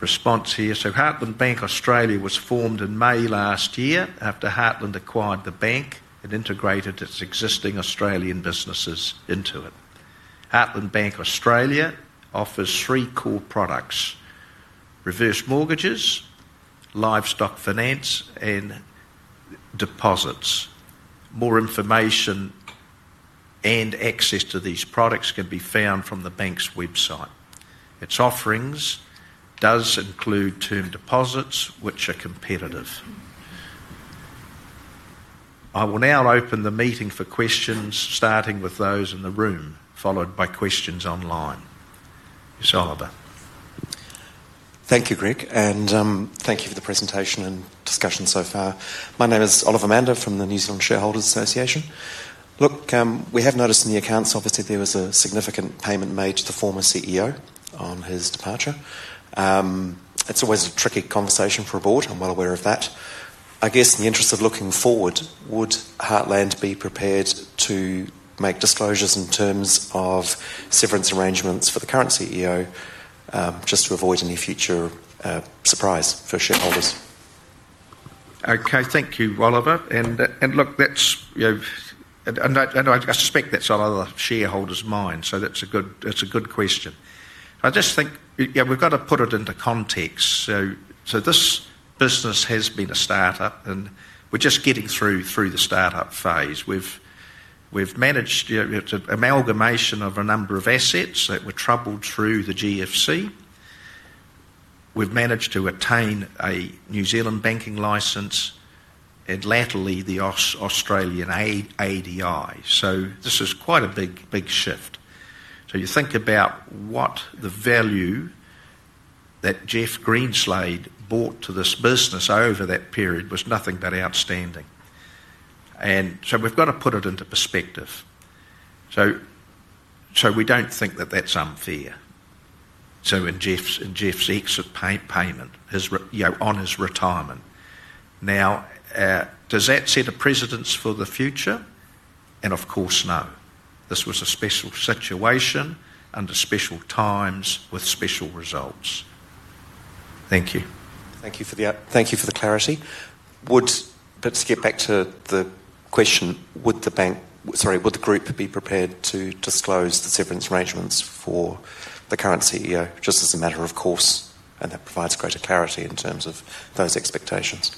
Response here. Heartland Bank Australia was formed in May last year after Heartland acquired the bank and integrated its existing Australian businesses into it. Heartland Bank Australia offers three core products: reverse mortgages, livestock finance, and deposits. More information and access to these products can be found from the bank's website. Its offerings do include term deposits, which are competitive. I will now open the meeting for questions, starting with those in the room, followed by questions online. Yes, Oliver. Thank you, Greg, and thank you for the presentation and discussion so far. My name is Oliver Mander from the New Zealand Shareholders' Association. Look, we have noticed in the accounts obviously there was a significant payment made to the former CEO on his departure. It's always a tricky conversation for a board. I'm well aware of that. I guess in the interest of looking forward, would Heartland be prepared to make disclosures in terms of severance arrangements for the current CEO just to avoid any future surprise for shareholders? Okay, thank you, Oliver. I know I suspect that's on other shareholders' minds, so that's a good question. I just think, yeah, we've got to put it into context. This business has been a startup, and we're just getting through the startup phase. We've managed an amalgamation of a number of assets that were troubled through the GFC. We've managed to attain a New Zealand banking licence and laterally the Australian ADI. This is quite a big shift. You think about what the value that Geoff Greenslade brought to this business over that period was nothing but outstanding. We've got to put it into perspective. We don't think that that's unfair. In Geoff's exit payment on his retirement. Now, does that set a precedent for the future? Of course, no. This was a special situation under special times with special results. Thank you. Thank you for the clarity. To get back to the question, would the bank—sorry, would the group be prepared to disclose the severance arrangements for the current CEO just as a matter of course, and that provides greater clarity in terms of those expectations?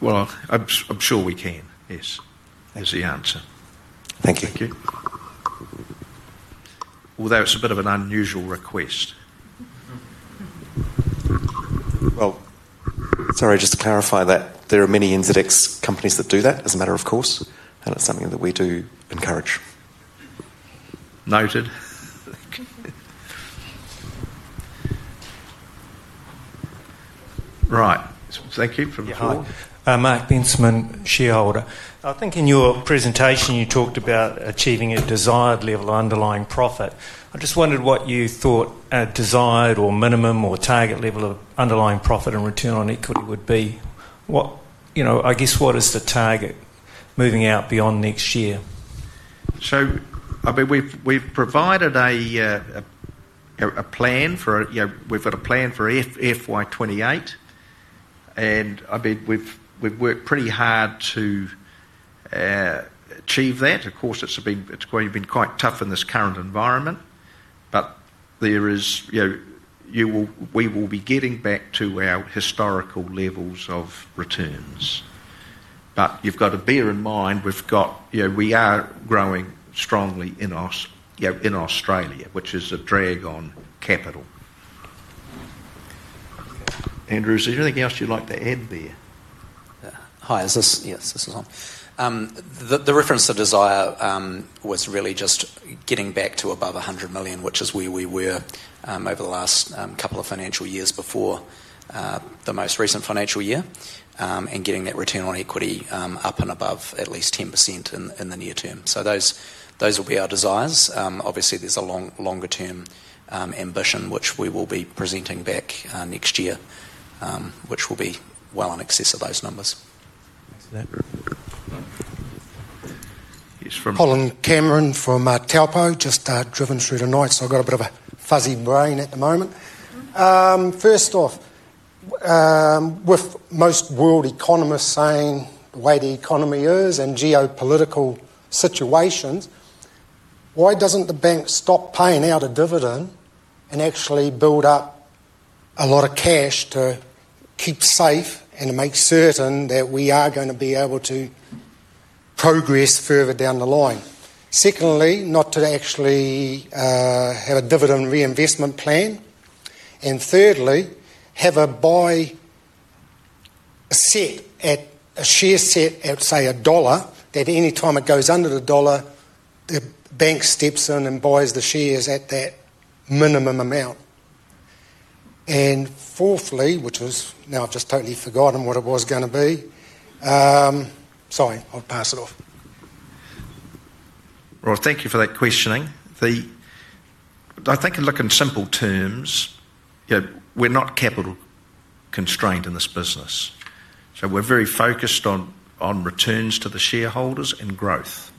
I'm sure we can, yes, as the answer. Thank you. Thank you. Although it's a bit of an unusual request. Sorry, just to clarify that there are many index companies that do that as a matter of course, and it's something that we do encourage. Noted. Right, thank you for the call. Yeah, Mike Bensman, shareholder. I think in your presentation you talked about achieving a desired level of underlying profit. I just wondered what you thought a desired or minimum or target level of underlying profit and return on equity would be. I guess what is the target moving out beyond next year? I mean, we've provided a plan for—we've got a plan for FY28, and I mean, we've worked pretty hard to achieve that. Of course, it's been quite tough in this current environment, but there is—we will be getting back to our historical levels of returns. You have to bear in mind we've got—we are growing strongly in Australia, which is a drag on capital. Andrew, is there anything else you'd like to add there? Hi, yes, this is on. The reference to desire was really just getting back to above $100 million, which is where we were over the last couple of financial years before the most recent financial year, and getting that return on equity up and above at least 10% in the near term. Those will be our desires. Obviously, there is a longer-term ambition, which we will be presenting back next year, which will be well in excess of those numbers. Thanks for that. Yes, from—Colin Cameron from Telpo, just driven through the night, so I've got a bit of a fuzzy brain at the moment. First off, with most world economists saying the way the economy is and geopolitical situations, why doesn't the bank stop paying out a dividend and actually build up a lot of cash to keep safe and make certain that we are going to be able to progress further down the line? Secondly, not to actually have a dividend reinvestment plan. Thirdly, have a buy set at a share set at, say, $1, that any time it goes under $1, the bank steps in and buys the shares at that minimum amount. Fourthly, which is—now, I've just totally forgotten what it was going to be. Sorry, I'll pass it off. Thank you for that questioning. I think in simple terms, we're not capital constrained in this business. We're very focused on returns to the shareholders and growth.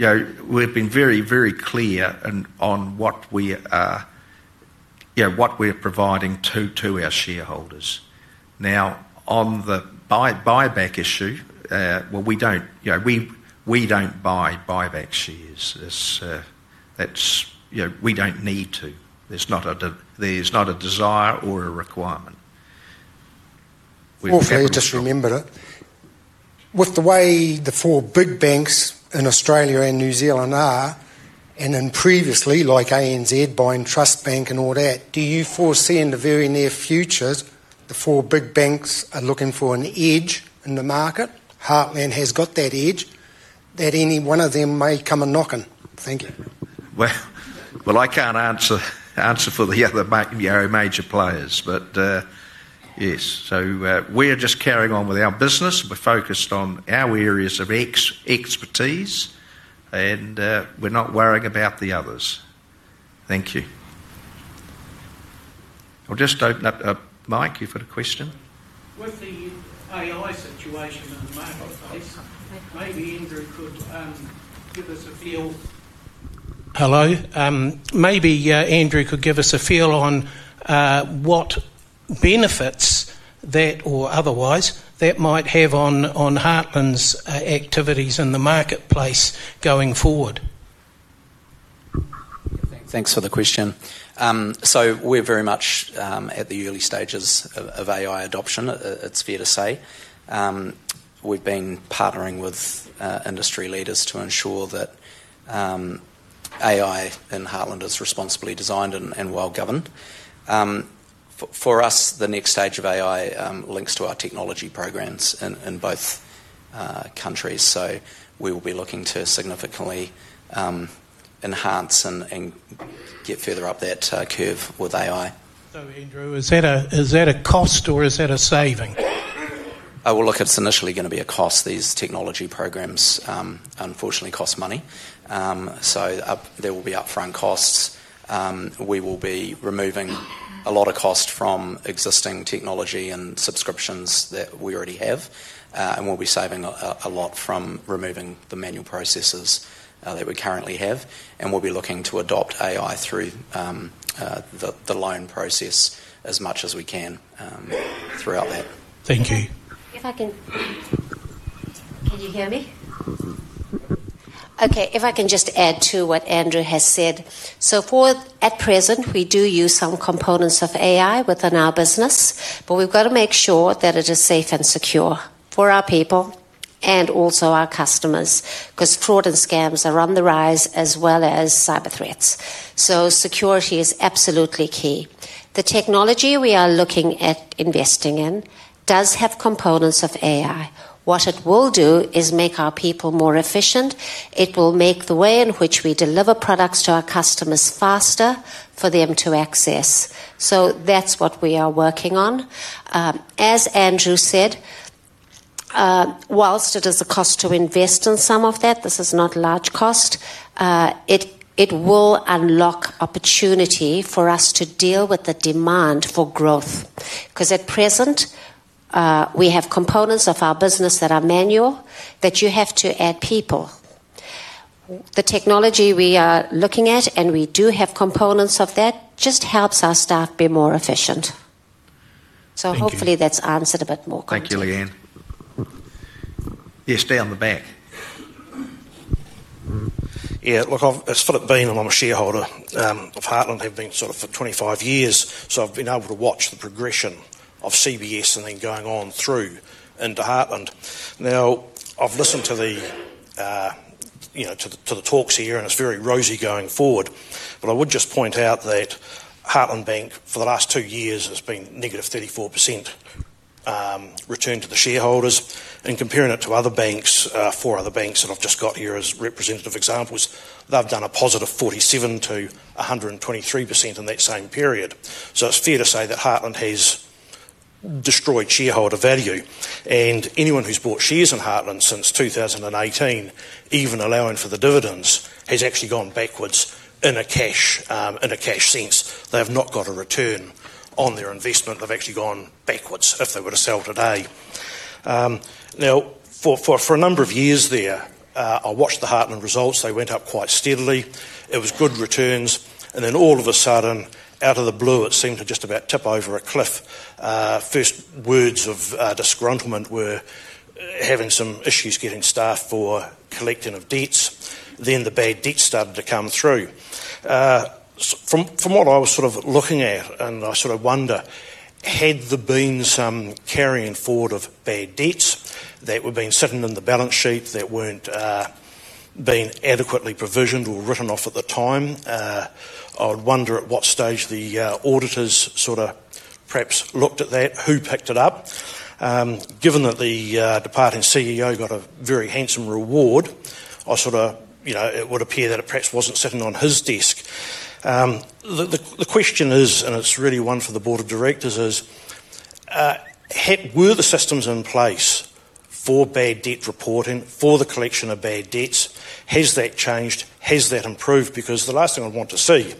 Now, we have—we've been very, very clear on what we're providing to our shareholders. Now, on the buyback issue, we don't buy back shares. We don't need to. There's not a desire or a requirement. Orphan, you just remember it. With the way the four big banks in Australia and New Zealand are, and then previously, like ANZ buying Trust Bank and all that, do you foresee in the very near future the four big banks are looking for an edge in the market? Heartland has got that edge that any one of them may come a-knocking. Thank you. I can't answer for the other major players, but yes. We're just carrying on with our business. We're focused on our areas of expertise, and we're not worrying about the others. Thank you. I'll just open up Mike, if you've got a question. With the AI situation in the marketplace, maybe Andrew could give us a feel. Hello. Maybe Andrew could give us a feel on what benefits that, or otherwise, that might have on Heartland's activities in the marketplace going forward. Thanks for the question. We're very much at the early stages of AI adoption, it's fair to say. We've been partnering with industry leaders to ensure that AI in Heartland is responsibly designed and well governed. For us, the next stage of AI links to our technology programs in both countries. We will be looking to significantly enhance and get further up that curve with AI. Andrew, is that a cost or is that a saving? It's initially going to be a cost. These technology programs, unfortunately, cost money. There will be upfront costs. We will be removing a lot of cost from existing technology and subscriptions that we already have, and we'll be saving a lot from removing the manual processes that we currently have. We'll be looking to adopt AI through the loan process as much as we can throughout that. Thank you. If I can—can you hear me? Okay, if I can just add to what Andrew has said. At present, we do use some components of AI within our business, but we have to make sure that it is safe and secure for our people and also our customers because fraud and scams are on the rise as well as cyber threats. Security is absolutely key. The technology we are looking at investing in does have components of AI. What it will do is make our people more efficient. It will make the way in which we deliver products to our customers faster for them to access. That is what we are working on. As Andrew said, whilst it is a cost to invest in some of that, this is not a large cost. It will unlock opportunity for us to deal with the demand for growth because at present, we have components of our business that are manual that you have to add people. The technology we are looking at, and we do have components of that, just helps our staff be more efficient. Hopefully that's answered a bit more. Thank you again. Yes, stay on the back. Yeah, look, it's Philip Bean, and I'm a shareholder of Heartland. I've been sort of for 25 years, so I've been able to watch the progression of CBS and then going on through into Heartland. Now, I've listened to the talks here, and it's very rosy going forward, but I would just point out that Heartland Bank, for the last two years, has been negative 34% return to the shareholders. Comparing it to other banks, four other banks that I've just got here as representative examples, they've done a positive 47%-123% in that same period. It is fair to say that Heartland has destroyed shareholder value. Anyone who's bought shares in Heartland since 2018, even allowing for the dividends, has actually gone backwards in a cash sense. They have not got a return on their investment. They've actually gone backwards if they were to sell today. Now, for a number of years there, I watched the Heartland results. They went up quite steadily. It was good returns. Then all of a sudden, out of the blue, it seemed to just about tip over a cliff. First words of disgruntlement were having some issues getting staff for collecting of debts. Then the bad debts started to come through. From what I was sort of looking at, and I sort of wonder, had there been some carrying forward of bad debts that were being sitting in the balance sheet that weren't being adequately provisioned or written off at the time? I would wonder at what stage the auditors sort of perhaps looked at that, who picked it up. Given that the departing CEO got a very handsome reward, I sort of it would appear that it perhaps wasn't sitting on his desk. The question is, and it's really one for the board of directors, is were the systems in place for bad debt reporting, for the collection of bad debts, has that changed, has that improved? Because the last thing I'd want to see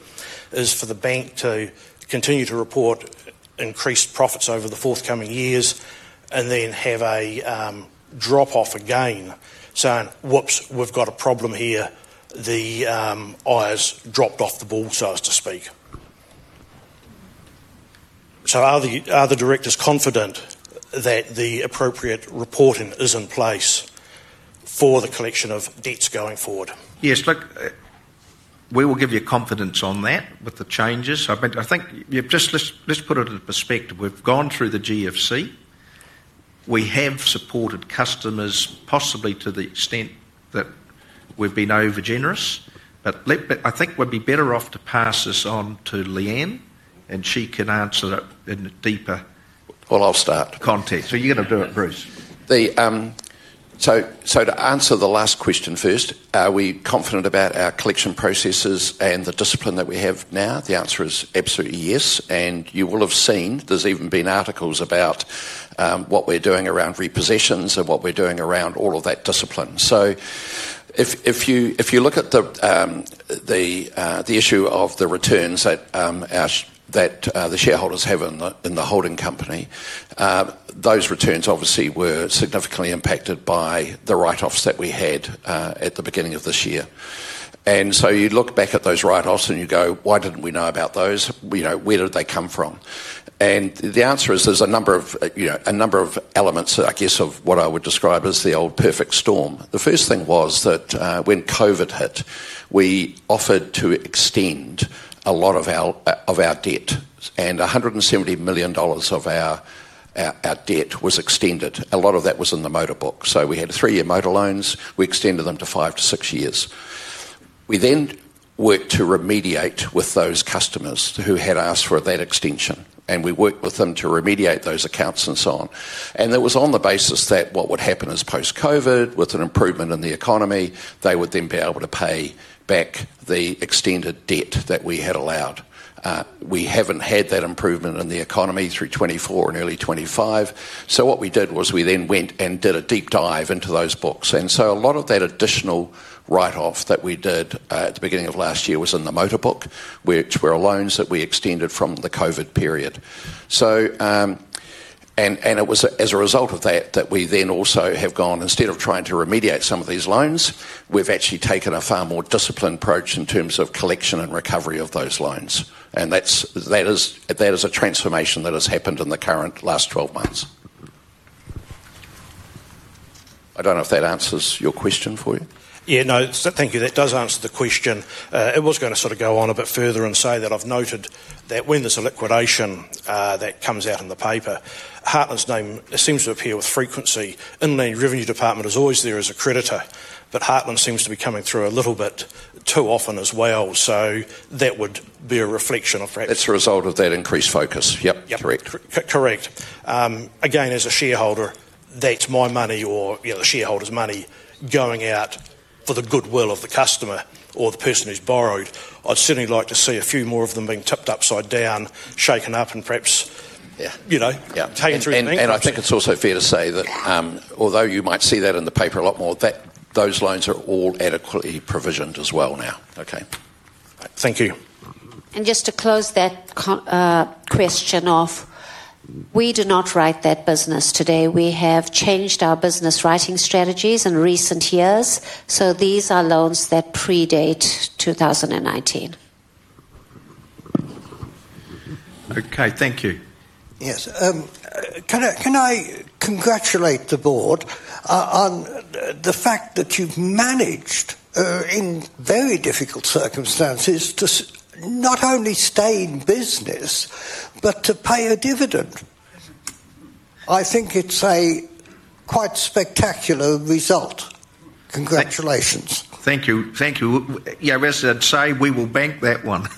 is for the bank to continue to report increased profits over the forthcoming years and then have a drop-off again, saying, "Whoops, we've got a problem here. The eyes dropped off the ball," so to speak. Are the directors confident that the appropriate reporting is in place for the collection of debts going forward? Yes, look, we will give you confidence on that with the changes. I think just let's put it into perspective. We've gone through the GFC. We have supported customers, possibly to the extent that we've been overgenerous.I think we'd be better off to pass this on to Leanne, and she can answer it in a deeper. I'll start. Context. You're going to do it, Bruce. To answer the last question first, are we confident about our collection processes and the discipline that we have now? The answer is absolutely yes. You will have seen there have even been articles about what we are doing around repossessions and what we are doing around all of that discipline. If you look at the issue of the returns that the shareholders have in the holding company, those returns obviously were significantly impacted by the write-offs that we had at the beginning of this year. You look back at those write-offs and you go, "Why did not we know about those? Where did they come from?" The answer is there are a number of elements, I guess, of what I would describe as the old perfect storm. The first thing was that when COVID hit, we offered to extend a lot of our debt, and 170 million dollars of our debt was extended. A lot of that was in the motorbook. We had three-year motor loans. We extended them to five to six years. We then worked to remediate with those customers who had asked for that extension, and we worked with them to remediate those accounts and so on. It was on the basis that what would happen is post-COVID, with an improvement in the economy, they would then be able to pay back the extended debt that we had allowed. We have not had that improvement in the economy through 2024 and early 2025. What we did was we then went and did a deep dive into those books. A lot of that additional write-off that we did at the beginning of last year was in the motorbook, which were loans that we extended from the COVID period. It was as a result of that that we then also have gone, instead of trying to remediate some of these loans, we've actually taken a far more disciplined approach in terms of collection and recovery of those loans. That is a transformation that has happened in the current last 12 months. I don't know if that answers your question for you. Yeah, no, thank you. That does answer the question. I was going to sort of go on a bit further and say that I've noted that when there's a liquidation that comes out in the paper, Heartland's name seems to appear with frequency. In the revenue department, it's always there as a creditor, but Heartland seems to be coming through a little bit too often as well. That would be a reflection of perhaps. It's a result of that increased focus. Yep, correct. Correct. Again, as a shareholder, that's my money or the shareholders' money going out for the goodwill of the customer or the person who's borrowed. I'd certainly like to see a few more of them being tipped upside down, shaken up, and perhaps taken through the next year. I think it's also fair to say that although you might see that in the paper a lot more, those loans are all adequately provisioned as well now. Okay. Thank you. To close that question off, we do not write that business today. We have changed our business writing strategies in recent years. These are loans that predate 2019. Okay, thank you. Yes. Can I congratulate the board on the fact that you've managed, in very difficult circumstances, to not only stay in business, but to pay a dividend. I think it's a quite spectacular result. Congratulations. Thank you. Yeah, as I'd say, we will bank that one.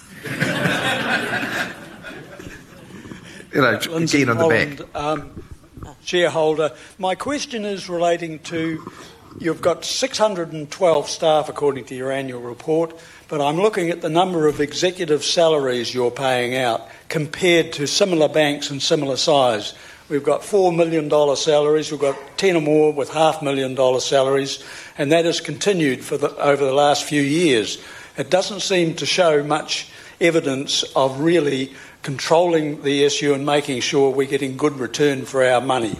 Keen on the bank. Shareholder, my question is relating to you've got 612 staff according to your annual report, but I'm looking at the number of executive salaries you're paying out compared to similar banks and similar size. We've got $4 million salaries. We've got 10 or more with $500,000 salaries, and that has continued over the last few years. It doesn't seem to show much evidence of really controlling the issue and making sure we're getting good return for our money.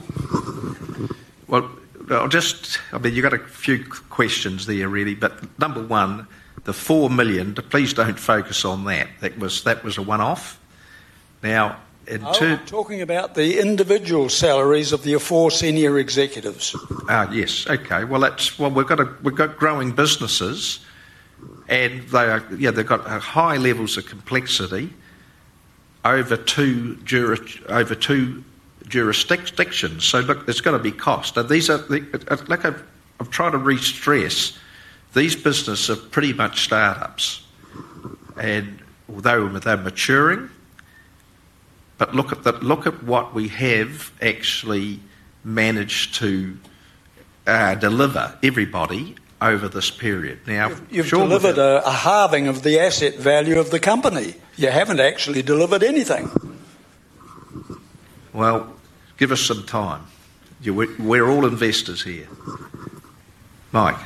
I mean, you've got a few questions there, really. Number one, the $4 million, please don't focus on that. That was a one-off. Now, in terms. Are you talking about the individual salaries of your four senior executives? Yes. Okay. We've got growing businesses, and they've got high levels of complexity over two jurisdictions. Look, there's got to be cost. I've tried to re-stress, these businesses are pretty much startups. Although they're maturing, look at what we have actually managed to deliver, everybody, over this period. Now, sure. You've delivered a halving of the asset value of the company. You haven't actually delivered anything. Give us some time. We're all investors here. Mike.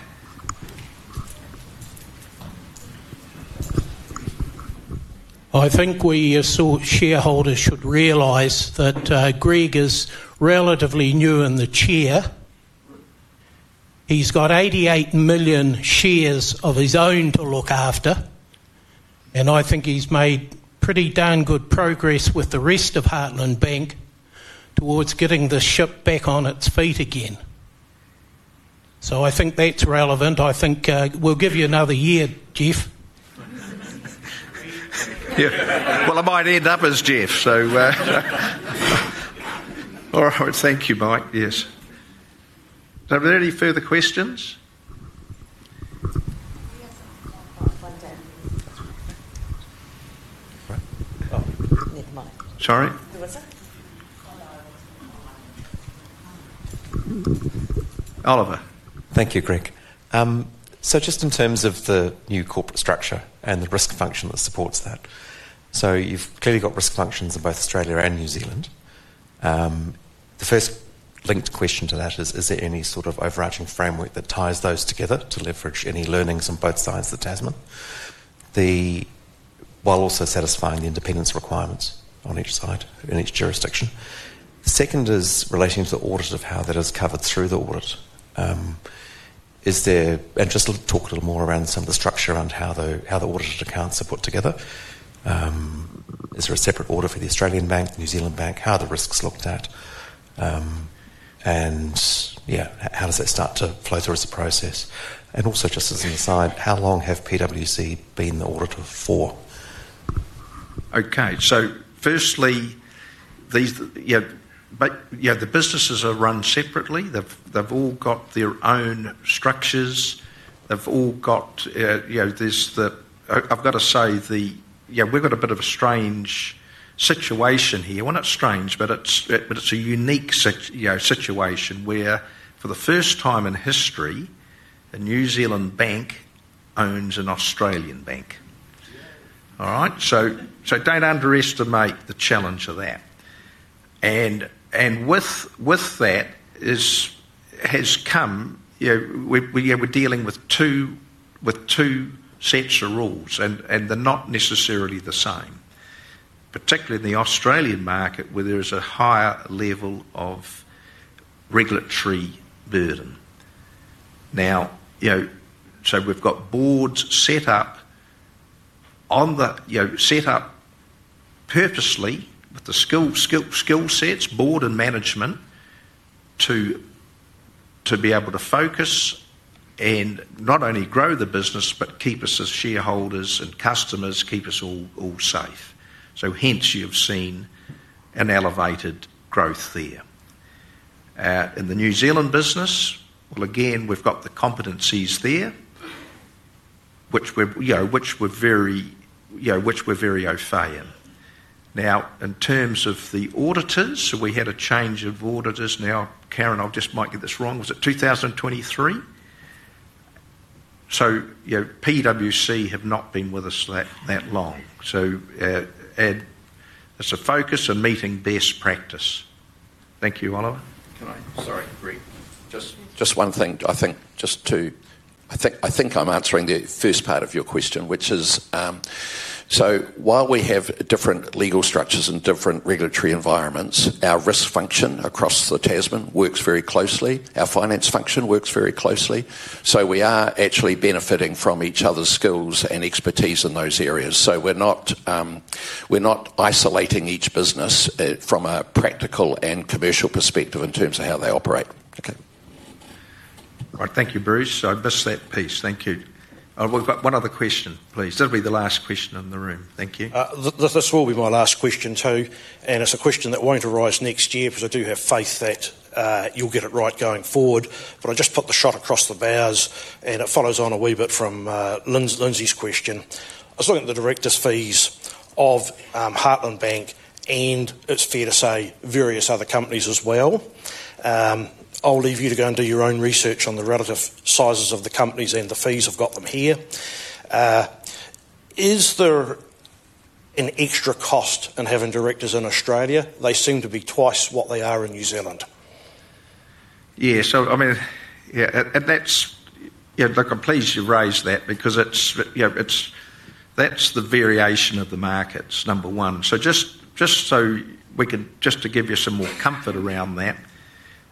I think we as shareholders should realize that Greg is relatively new in the chair. He's got 88 million shares of his own to look after. I think he's made pretty darn good progress with the rest of Heartland Bank towards getting the ship back on its feet again. I think that's relevant. I think we'll give you another year, Geoff. Yeah. I might end up as Geoff, so. All right. Thank you, Mike. Yes. Are there any further questions? Sorry? Oliver. Thank you, Greg. Just in terms of the new corporate structure and the risk function that supports that, you've clearly got risk functions in both Australia and New Zealand. The first linked question to that is, is there any sort of overarching framework that ties those together to leverage any learnings on both sides of the Tasman while also satisfying the independence requirements on each side in each jurisdiction? The second is relating to the audit of how that is covered through the audit. Just talk a little more around some of the structure around how the audited accounts are put together. Is there a separate audit for the Australian Bank, New Zealand Bank? How are the risks looked at? Yeah, how does that start to flow through as a process? Also, just as an aside, how long have PwC been the auditor for? Okay. So firstly, yeah, the businesses are run separately. They've all got their own structures. They've all got—I’ve got to say, yeah, we've got a bit of a strange situation here. Not strange, but it's a unique situation where, for the first time in history, a New Zealand bank owns an Australian bank. All right? Do not underestimate the challenge of that. With that has come—we're dealing with two sets of rules, and they're not necessarily the same, particularly in the Australian market where there is a higher level of regulatory burden. Now, we've got boards set up purposely with the skill sets, board and management, to be able to focus and not only grow the business, but keep us as shareholders and customers, keep us all safe. Hence, you've seen an elevated growth there. In the New Zealand business, again, we have the competencies there, which were very opaque. Now, in terms of the auditors, we had a change of auditors. Now, Karen, I just might get this wrong. Was it 2023? PwC have not been with us that long. It is a focus on meeting best practice. Thank you, Oliver. Can I—sorry, Greg. Just one thing, I think, just to—I think I'm answering the first part of your question, which is, while we have different legal structures and different regulatory environments, our risk function across the Tasman works very closely. Our finance function works very closely. We are actually benefiting from each other's skills and expertise in those areas. We are not isolating each business from a practical and commercial perspective in terms of how they operate. Okay. All right. Thank you, Bruce. I missed that piece. Thank you. We've got one other question, please. That'll be the last question in the room. Thank you. This will be my last question too. It's a question that won't arise next year because I do have faith that you'll get it right going forward. I just put the shot across the bows, and it follows on a wee bit from Lindsay's question. I was looking at the director's fees of Heartland Bank and, it's fair to say, various other companies as well. I'll leave you to go and do your own research on the relative sizes of the companies and the fees. I've got them here. Is there an extra cost in having directors in Australia? They seem to be twice what they are in New Zealand. Yeah. I mean, yeah, look, I'm pleased you raised that because that's the variation of the markets, number one. Just to give you some more comfort around that,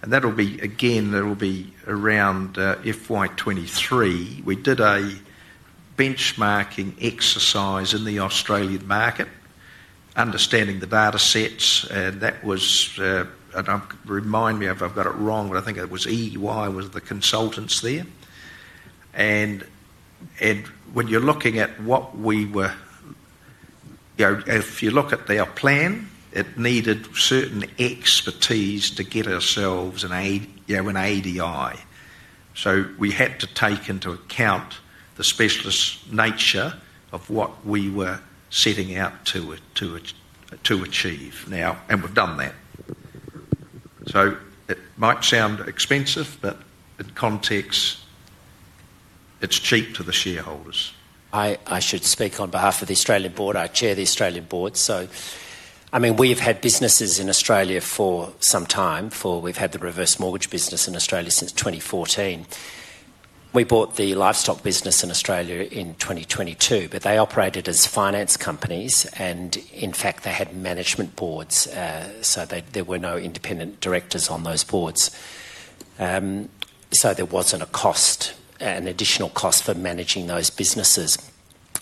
and that'll be again, that'll be around FY 2023. We did a benchmarking exercise in the Australian market, understanding the data sets. That was—and remind me if I've got it wrong, but I think it was EY was the consultants there. When you're looking at what we were—if you look at their plan, it needed certain expertise to get ourselves an ADI. We had to take into account the specialist nature of what we were setting out to achieve. Now, we've done that. It might sound expensive, but in context, it's cheap to the shareholders. I should speak on behalf of the Australian board. I chair the Australian board. I mean, we have had businesses in Australia for some time. We've had the reverse mortgage business in Australia since 2014. We bought the livestock business in Australia in 2022, but they operated as finance companies. In fact, they had management boards. There were no independent directors on those boards. There was not an additional cost for managing those businesses.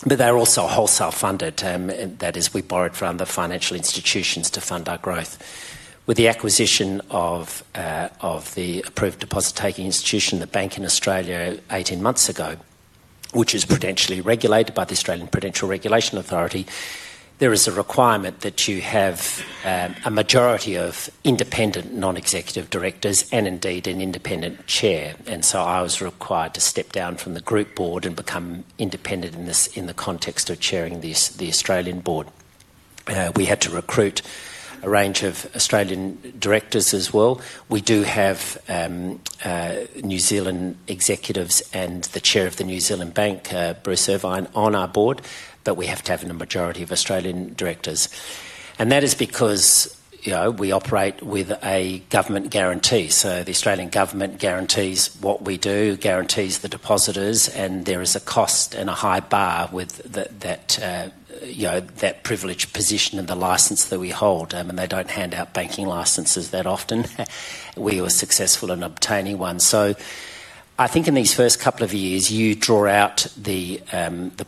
They were also wholesale funded. That is, we borrowed from the financial institutions to fund our growth. With the acquisition of the approved deposit-taking institution, the bank in Australia, 18 months ago, which is prudentially regulated by the Australian Prudential Regulation Authority, there is a requirement that you have a majority of independent non-executive directors and indeed an independent chair. I was required to step down from the group board and become independent in the context of chairing the Australian board. We had to recruit a range of Australian directors as well. We do have New Zealand executives and the Chair of the New Zealand Bank, Bruce Irvine, on our board, but we have to have a majority of Australian directors. That is because we operate with a government guarantee. The Australian government guarantees what we do, guarantees the depositors, and there is a cost and a high bar with that privileged position and the license that we hold. I mean, they do not hand out banking licenses that often. We were successful in obtaining one. I think in these first couple of years, you draw out the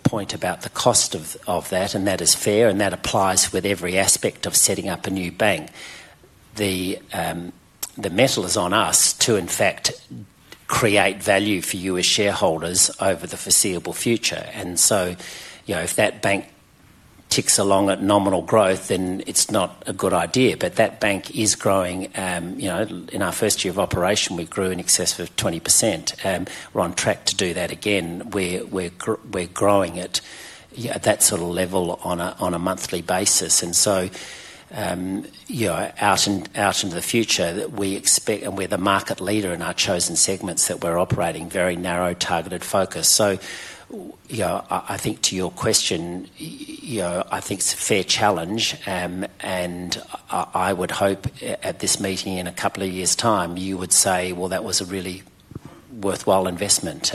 point about the cost of that, and that is fair, and that applies with every aspect of setting up a new bank. The metal is on us to, in fact, create value for you as shareholders over the foreseeable future. If that bank ticks along at nominal growth, then it's not a good idea. That bank is growing. In our first year of operation, we grew in excess of 20%. We're on track to do that again. We're growing at that sort of level on a monthly basis. Out into the future, we expect, and we're the market leader in our chosen segments that we're operating, very narrow, targeted focus. I think to your question, I think it's a fair challenge. I would hope at this meeting in a couple of years' time, you would say, "Well, that was a really worthwhile investment."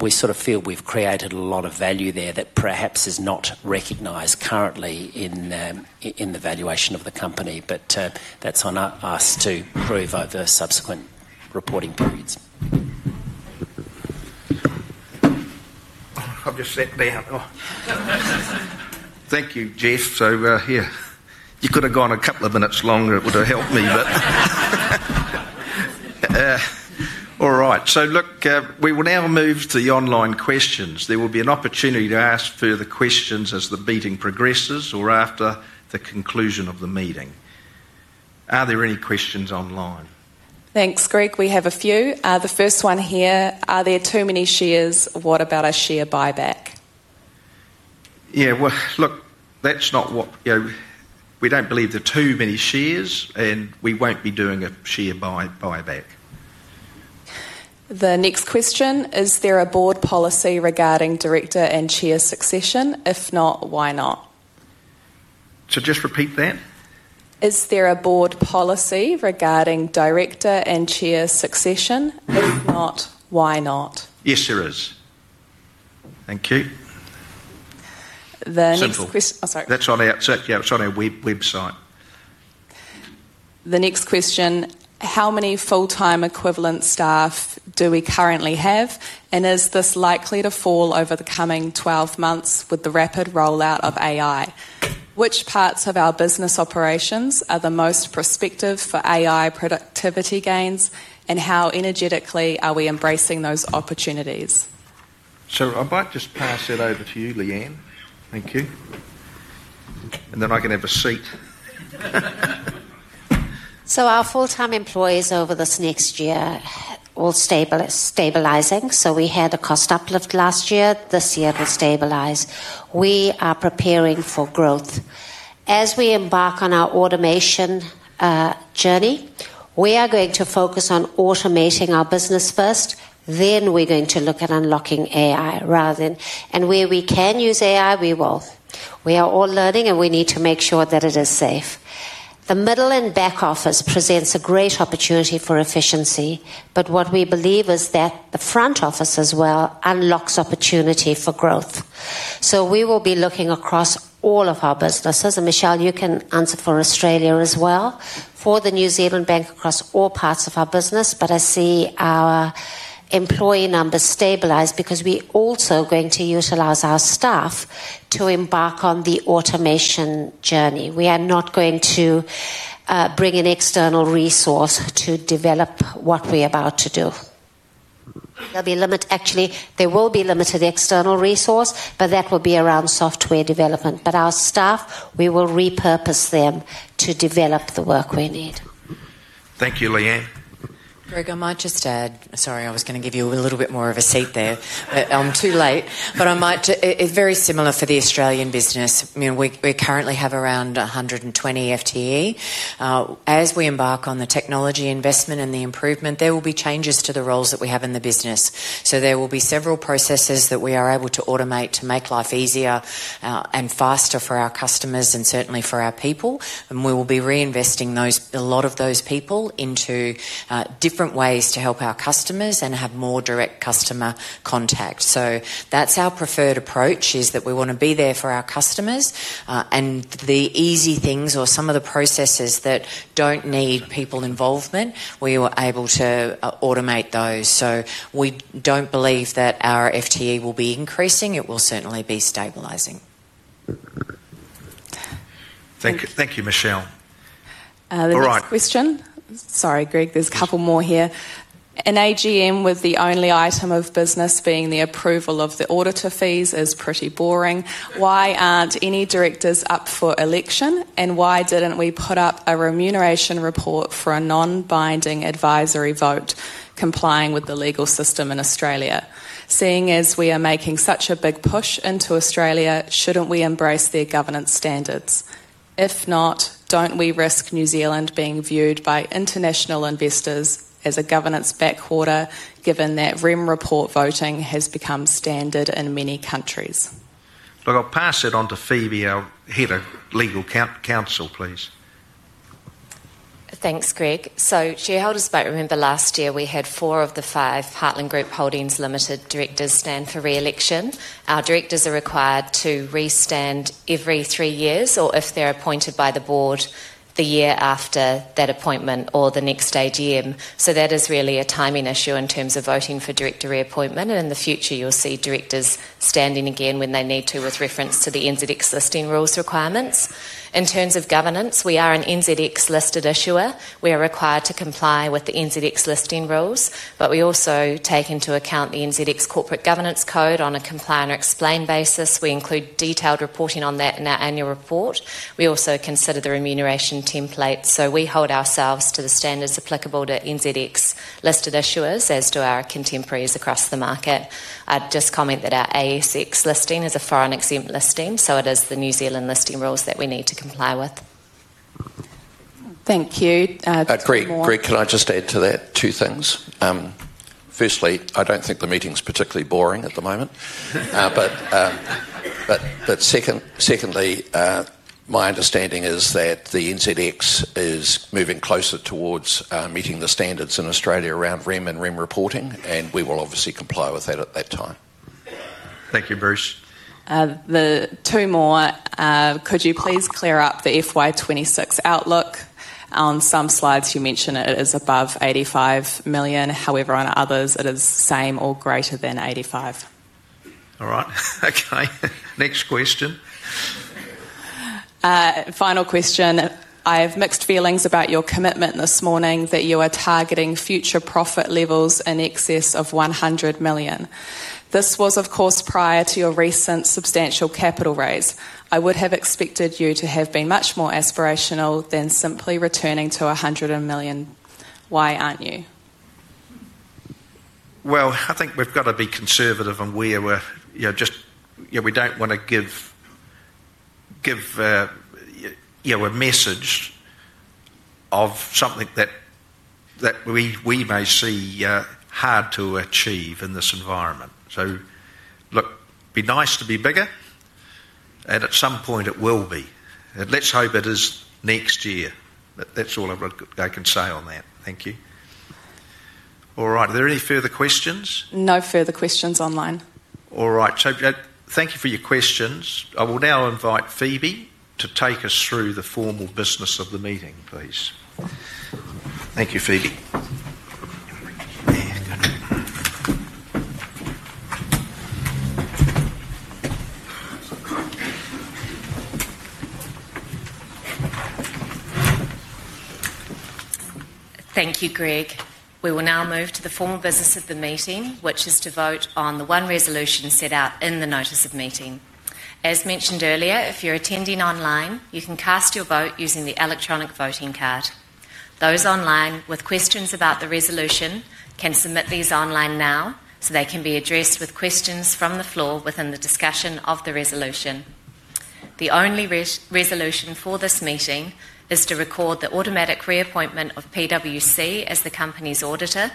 We sort of feel we've created a lot of value there that perhaps is not recognized currently in the valuation of the company. That is on us to prove over subsequent reporting periods. I've just sat down. Thank you, Geoff. Yeah, you could have gone a couple of minutes longer. It would have helped me, but. All right. Look, we will now move to the online questions. There will be an opportunity to ask further questions as the meeting progresses or after the conclusion of the meeting. Are there any questions online? Thanks, Greg. We have a few. The first one here, "Are there too many shares? What about a share buyback? Yeah. Look, that's not what we believe. There are too many shares, and we won't be doing a share buyback. The next question, "Is there a board policy regarding director and chair succession? If not, why not? Just repeat that. Is there a board policy regarding director and chair succession? If not, why not? Yes, there is. Thank you. The next question. Central. I'm sorry. That's on our—yeah, it's on our website. The next question, "How many full-time equivalent staff do we currently have? Is this likely to fall over the coming 12 months with the rapid rollout of AI? Which parts of our business operations are the most prospective for AI productivity gains, and how energetically are we embracing those opportunities? I might just pass it over to you, Leanne. Thank you. Then I can have a seat. Our full-time employees over this next year are stabilizing. We had a cost uplift last year. This year will stabilize. We are preparing for growth. As we embark on our automation journey, we are going to focus on automating our business first. We are going to look at unlocking AI, and where we can use AI, we will. We are all learning, and we need to make sure that it is safe. The middle and back office presents a great opportunity for efficiency. What we believe is that the front office as well unlocks opportunity for growth. We will be looking across all of our businesses. Michelle, you can answer for Australia as well. For the New Zealand Bank, across all parts of our business, but I see our employee numbers stabilize because we're also going to utilize our staff to embark on the automation journey. We are not going to bring an external resource to develop what we're about to do. There will be a limited external resource, but that will be around software development. Our staff, we will repurpose them to develop the work we need. Thank you, Leanne. Greg, I might just add—sorry, I was going to give you a little bit more of a seat there. I am too late. It is very similar for the Australian business. We currently have around 120 FTE. As we embark on the technology investment and the improvement, there will be changes to the roles that we have in the business. There will be several processes that we are able to automate to make life easier and faster for our customers and certainly for our people. We will be reinvesting a lot of those people into different ways to help our customers and have more direct customer contact. That is our preferred approach, that we want to be there for our customers. The easy things or some of the processes that do not need people involvement, we were able to automate those. We don't believe that our FTE will be increasing. It will certainly be stabilizing. Thank you, Michelle. The next question. Sorry, Greg. There are a couple more here. An AGM with the only item of business being the approval of the auditor fees is pretty boring. Why are not any directors up for election? Why did not we put up a remuneration report for a non-binding advisory vote complying with the legal system in Australia? Seeing as we are making such a big push into Australia, should not we embrace their governance standards? If not, do not we risk New Zealand being viewed by international investors as a governance backwater, given that REM report voting has become standard in many countries? Look, I'll pass it on to Phoebe, our Head of Legal Counsel, please. Thanks, Greg. Shareholders might remember last year we had four of the five Heartland Group Holdings Limited directors stand for re-election. Our directors are required to re-stand every three years, or if they're appointed by the board, the year after that appointment or the next AGM. That is really a timing issue in terms of voting for director reappointment. In the future, you'll see directors standing again when they need to with reference to the NZX listing rules requirements. In terms of governance, we are an NZX listed issuer. We are required to comply with the NZX listing rules, but we also take into account the NZX corporate governance code on a comply and explain basis. We include detailed reporting on that in our annual report. We also consider the remuneration template. We hold ourselves to the standards applicable to NZX listed issuers as do our contemporaries across the market. I'd just comment that our ASX listing is a foreign exempt listing. It is the New Zealand listing rules that we need to comply with. Thank you. Greg, can I just add to that two things? Firstly, I do not think the meeting's particularly boring at the moment. Secondly, my understanding is that the NZX is moving closer towards meeting the standards in Australia around REM and REM reporting, and we will obviously comply with that at that time. Thank you, Bruce. The two more. Could you please clear up the FY 2026 outlook? On some slides, you mention it is above $85 million. However, on others, it is same or greater than $85 million. All right. Okay. Next question. Final question. I have mixed feelings about your commitment this morning that you are targeting future profit levels in excess of $100 million. This was, of course, prior to your recent substantial capital raise. I would have expected you to have been much more aspirational than simply returning to $100 million. Why aren't you? I think we have got to be conservative and we are just—we do not want to give a message of something that we may see hard to achieve in this environment. Look, it would be nice to be bigger, and at some point, it will be. Let us hope it is next year. That is all I can say on that. Thank you. All right. Are there any further questions? No further questions online. All right. So thank you for your questions. I will now invite Phoebe to take us through the formal business of the meeting, please. Thank you, Phoebe. Thank you, Greg. We will now move to the formal business of the meeting, which is to vote on the one resolution set out in the notice of meeting. As mentioned earlier, if you're attending online, you can cast your vote using the electronic voting card. Those online with questions about the resolution can submit these online now so they can be addressed with questions from the floor within the discussion of the resolution. The only resolution for this meeting is to record the automatic reappointment of PwC as the company's auditor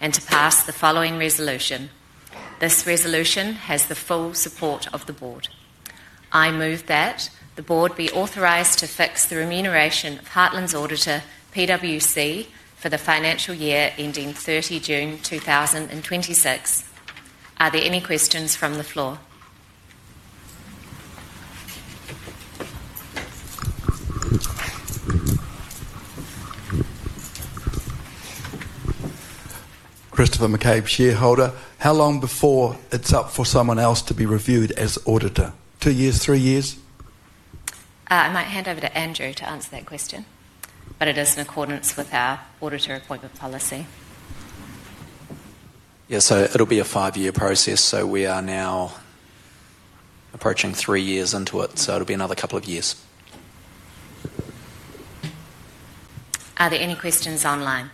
and to pass the following resolution. This resolution has the full support of the board. I move that the board be authorized to fix the remuneration of Heartland's auditor, PwC, for the financial year ending 30 June 2026. Are there any questions from the floor? How long before it's up for someone else to be reviewed as auditor? Two years, three years? I might hand over to Andrew to answer that question, but it is in accordance with our auditor appointment policy. Yeah, so it'll be a five-year process. So we are now approaching three years into it. So it'll be another couple of years. Are there any questions online?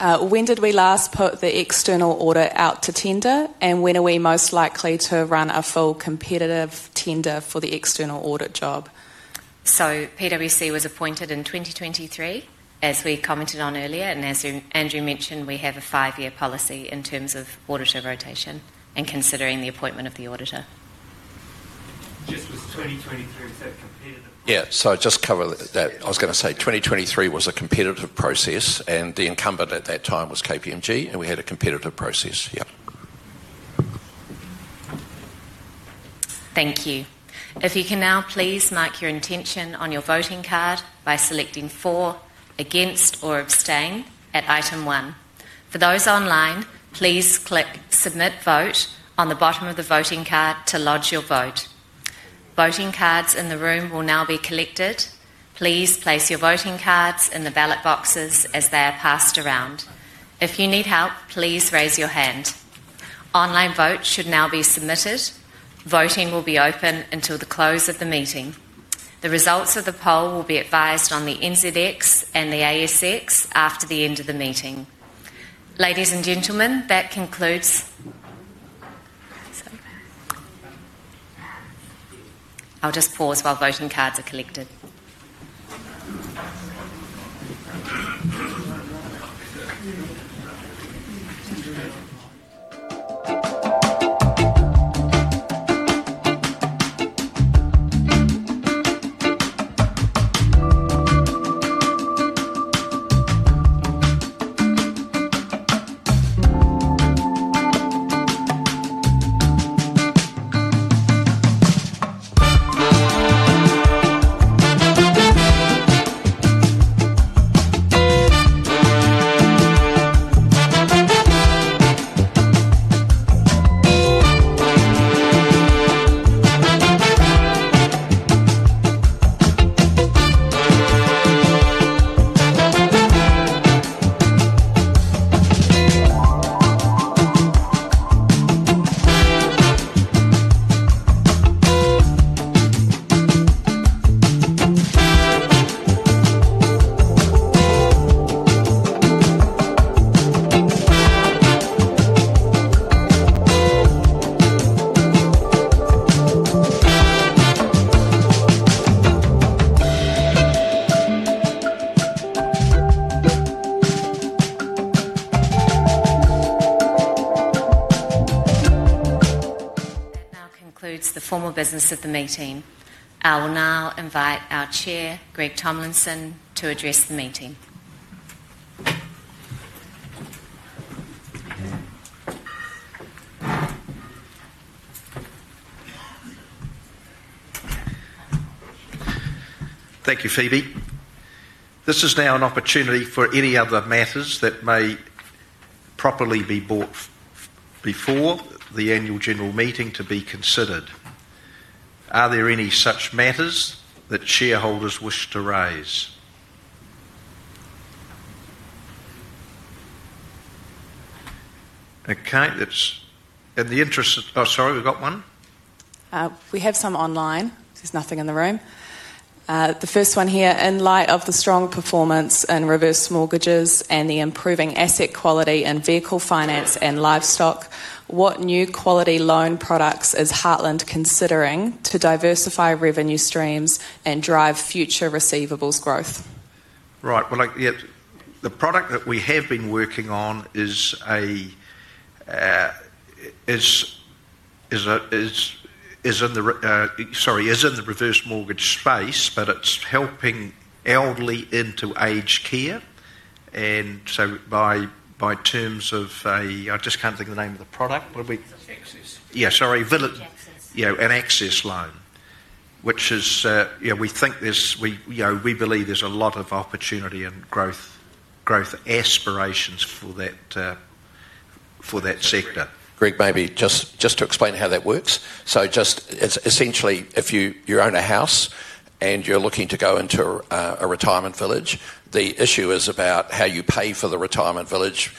When did we last put the external audit out to tender, and when are we most likely to run a full competitive tender for the external audit job? PwC was appointed in 2023, as we commented on earlier. As Andrew mentioned, we have a five-year policy in terms of auditor rotation and considering the appointment of the auditor. Just with 2023, is that competitive? Yeah. Just cover that. I was going to say 2023 was a competitive process, and the incumbent at that time was KPMG, and we had a competitive process. Yeah. Thank you. If you can now please mark your intention on your voting card by selecting for, against, or abstain at item one. For those online, please click submit vote on the bottom of the voting card to lodge your vote. Voting cards in the room will now be collected. Please place your voting cards in the ballot boxes as they are passed around. If you need help, please raise your hand. Online vote should now be submitted. Voting will be open until the close of the meeting. The results of the poll will be advised on the NZX and the ASX after the end of the meeting. Ladies and gentlemen, that concludes. I'll just pause while voting cards are collected. That now concludes the formal business of the meeting. I will now invite our Chair, Greg Tomlinson, to address the meeting. Thank you, Phoebe. This is now an opportunity for any other matters that may properly be brought before the annual general meeting to be considered. Are there any such matters that shareholders wish to raise? Okay. In the interest of—oh, sorry, we have got one. We have some online. There's nothing in the room. The first one here, in light of the strong performance in reverse mortgages and the improving asset quality in vehicle finance and livestock, what new quality loan products is Heartland considering to diversify revenue streams and drive future receivables growth? Right. The product that we have been working on is in the, sorry, is in the reverse mortgage space, but it's helping elderly into aged care. By terms of a, I just can't think of the name of the product. What are we? Access. Yeah, sorry. Access. Yeah, an access loan, which is—we think there's—we believe there's a lot of opportunity and growth aspirations for that sector. Greg, maybe just to explain how that works. Just essentially, if you own a house and you're looking to go into a retirement village, the issue is about how you pay for the retirement village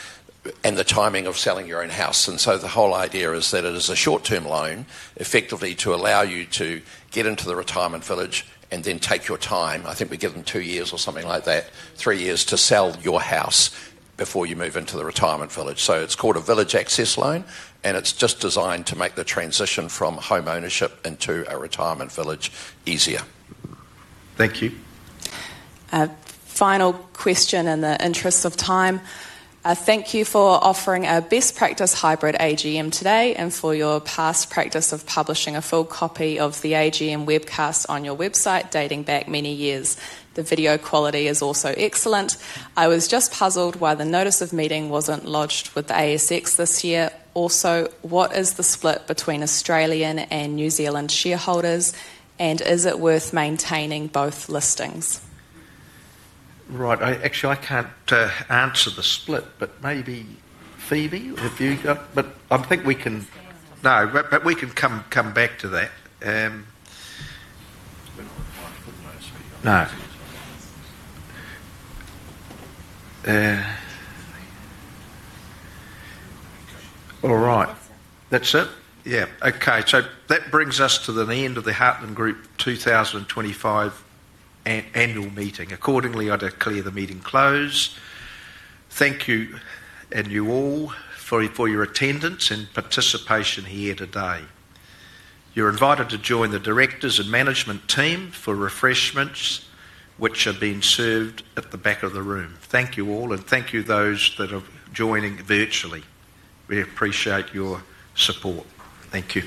and the timing of selling your own house. The whole idea is that it is a short-term loan, effectively to allow you to get into the retirement village and then take your time. I think we give them two years or something like that, three years to sell your house before you move into the retirement village. It is called a village access loan, and it is just designed to make the transition from home ownership into a retirement village easier. Thank you. Final question in the interest of time. Thank you for offering our best practice hybrid AGM today and for your past practice of publishing a full copy of the AGM webcast on your website dating back many years. The video quality is also excellent. I was just puzzled why the notice of meeting was not lodged with the ASX this year. Also, what is the split between Australian and New Zealand shareholders, and is it worth maintaining both listings? Right. Actually, I can't answer the split, but maybe Phoebe, have you got—but I think we can—no, but we can come back to that. No. All right. That's it? Yeah. Okay. So that brings us to the end of the Heartland Group 2025 annual meeting. Accordingly, I declare the meeting closed. Thank you, and you all, for your attendance and participation here today. You're invited to join the directors and management team for refreshments, which are being served at the back of the room. Thank you all, and thank you to those that are joining virtually. We appreciate your support. Thank you.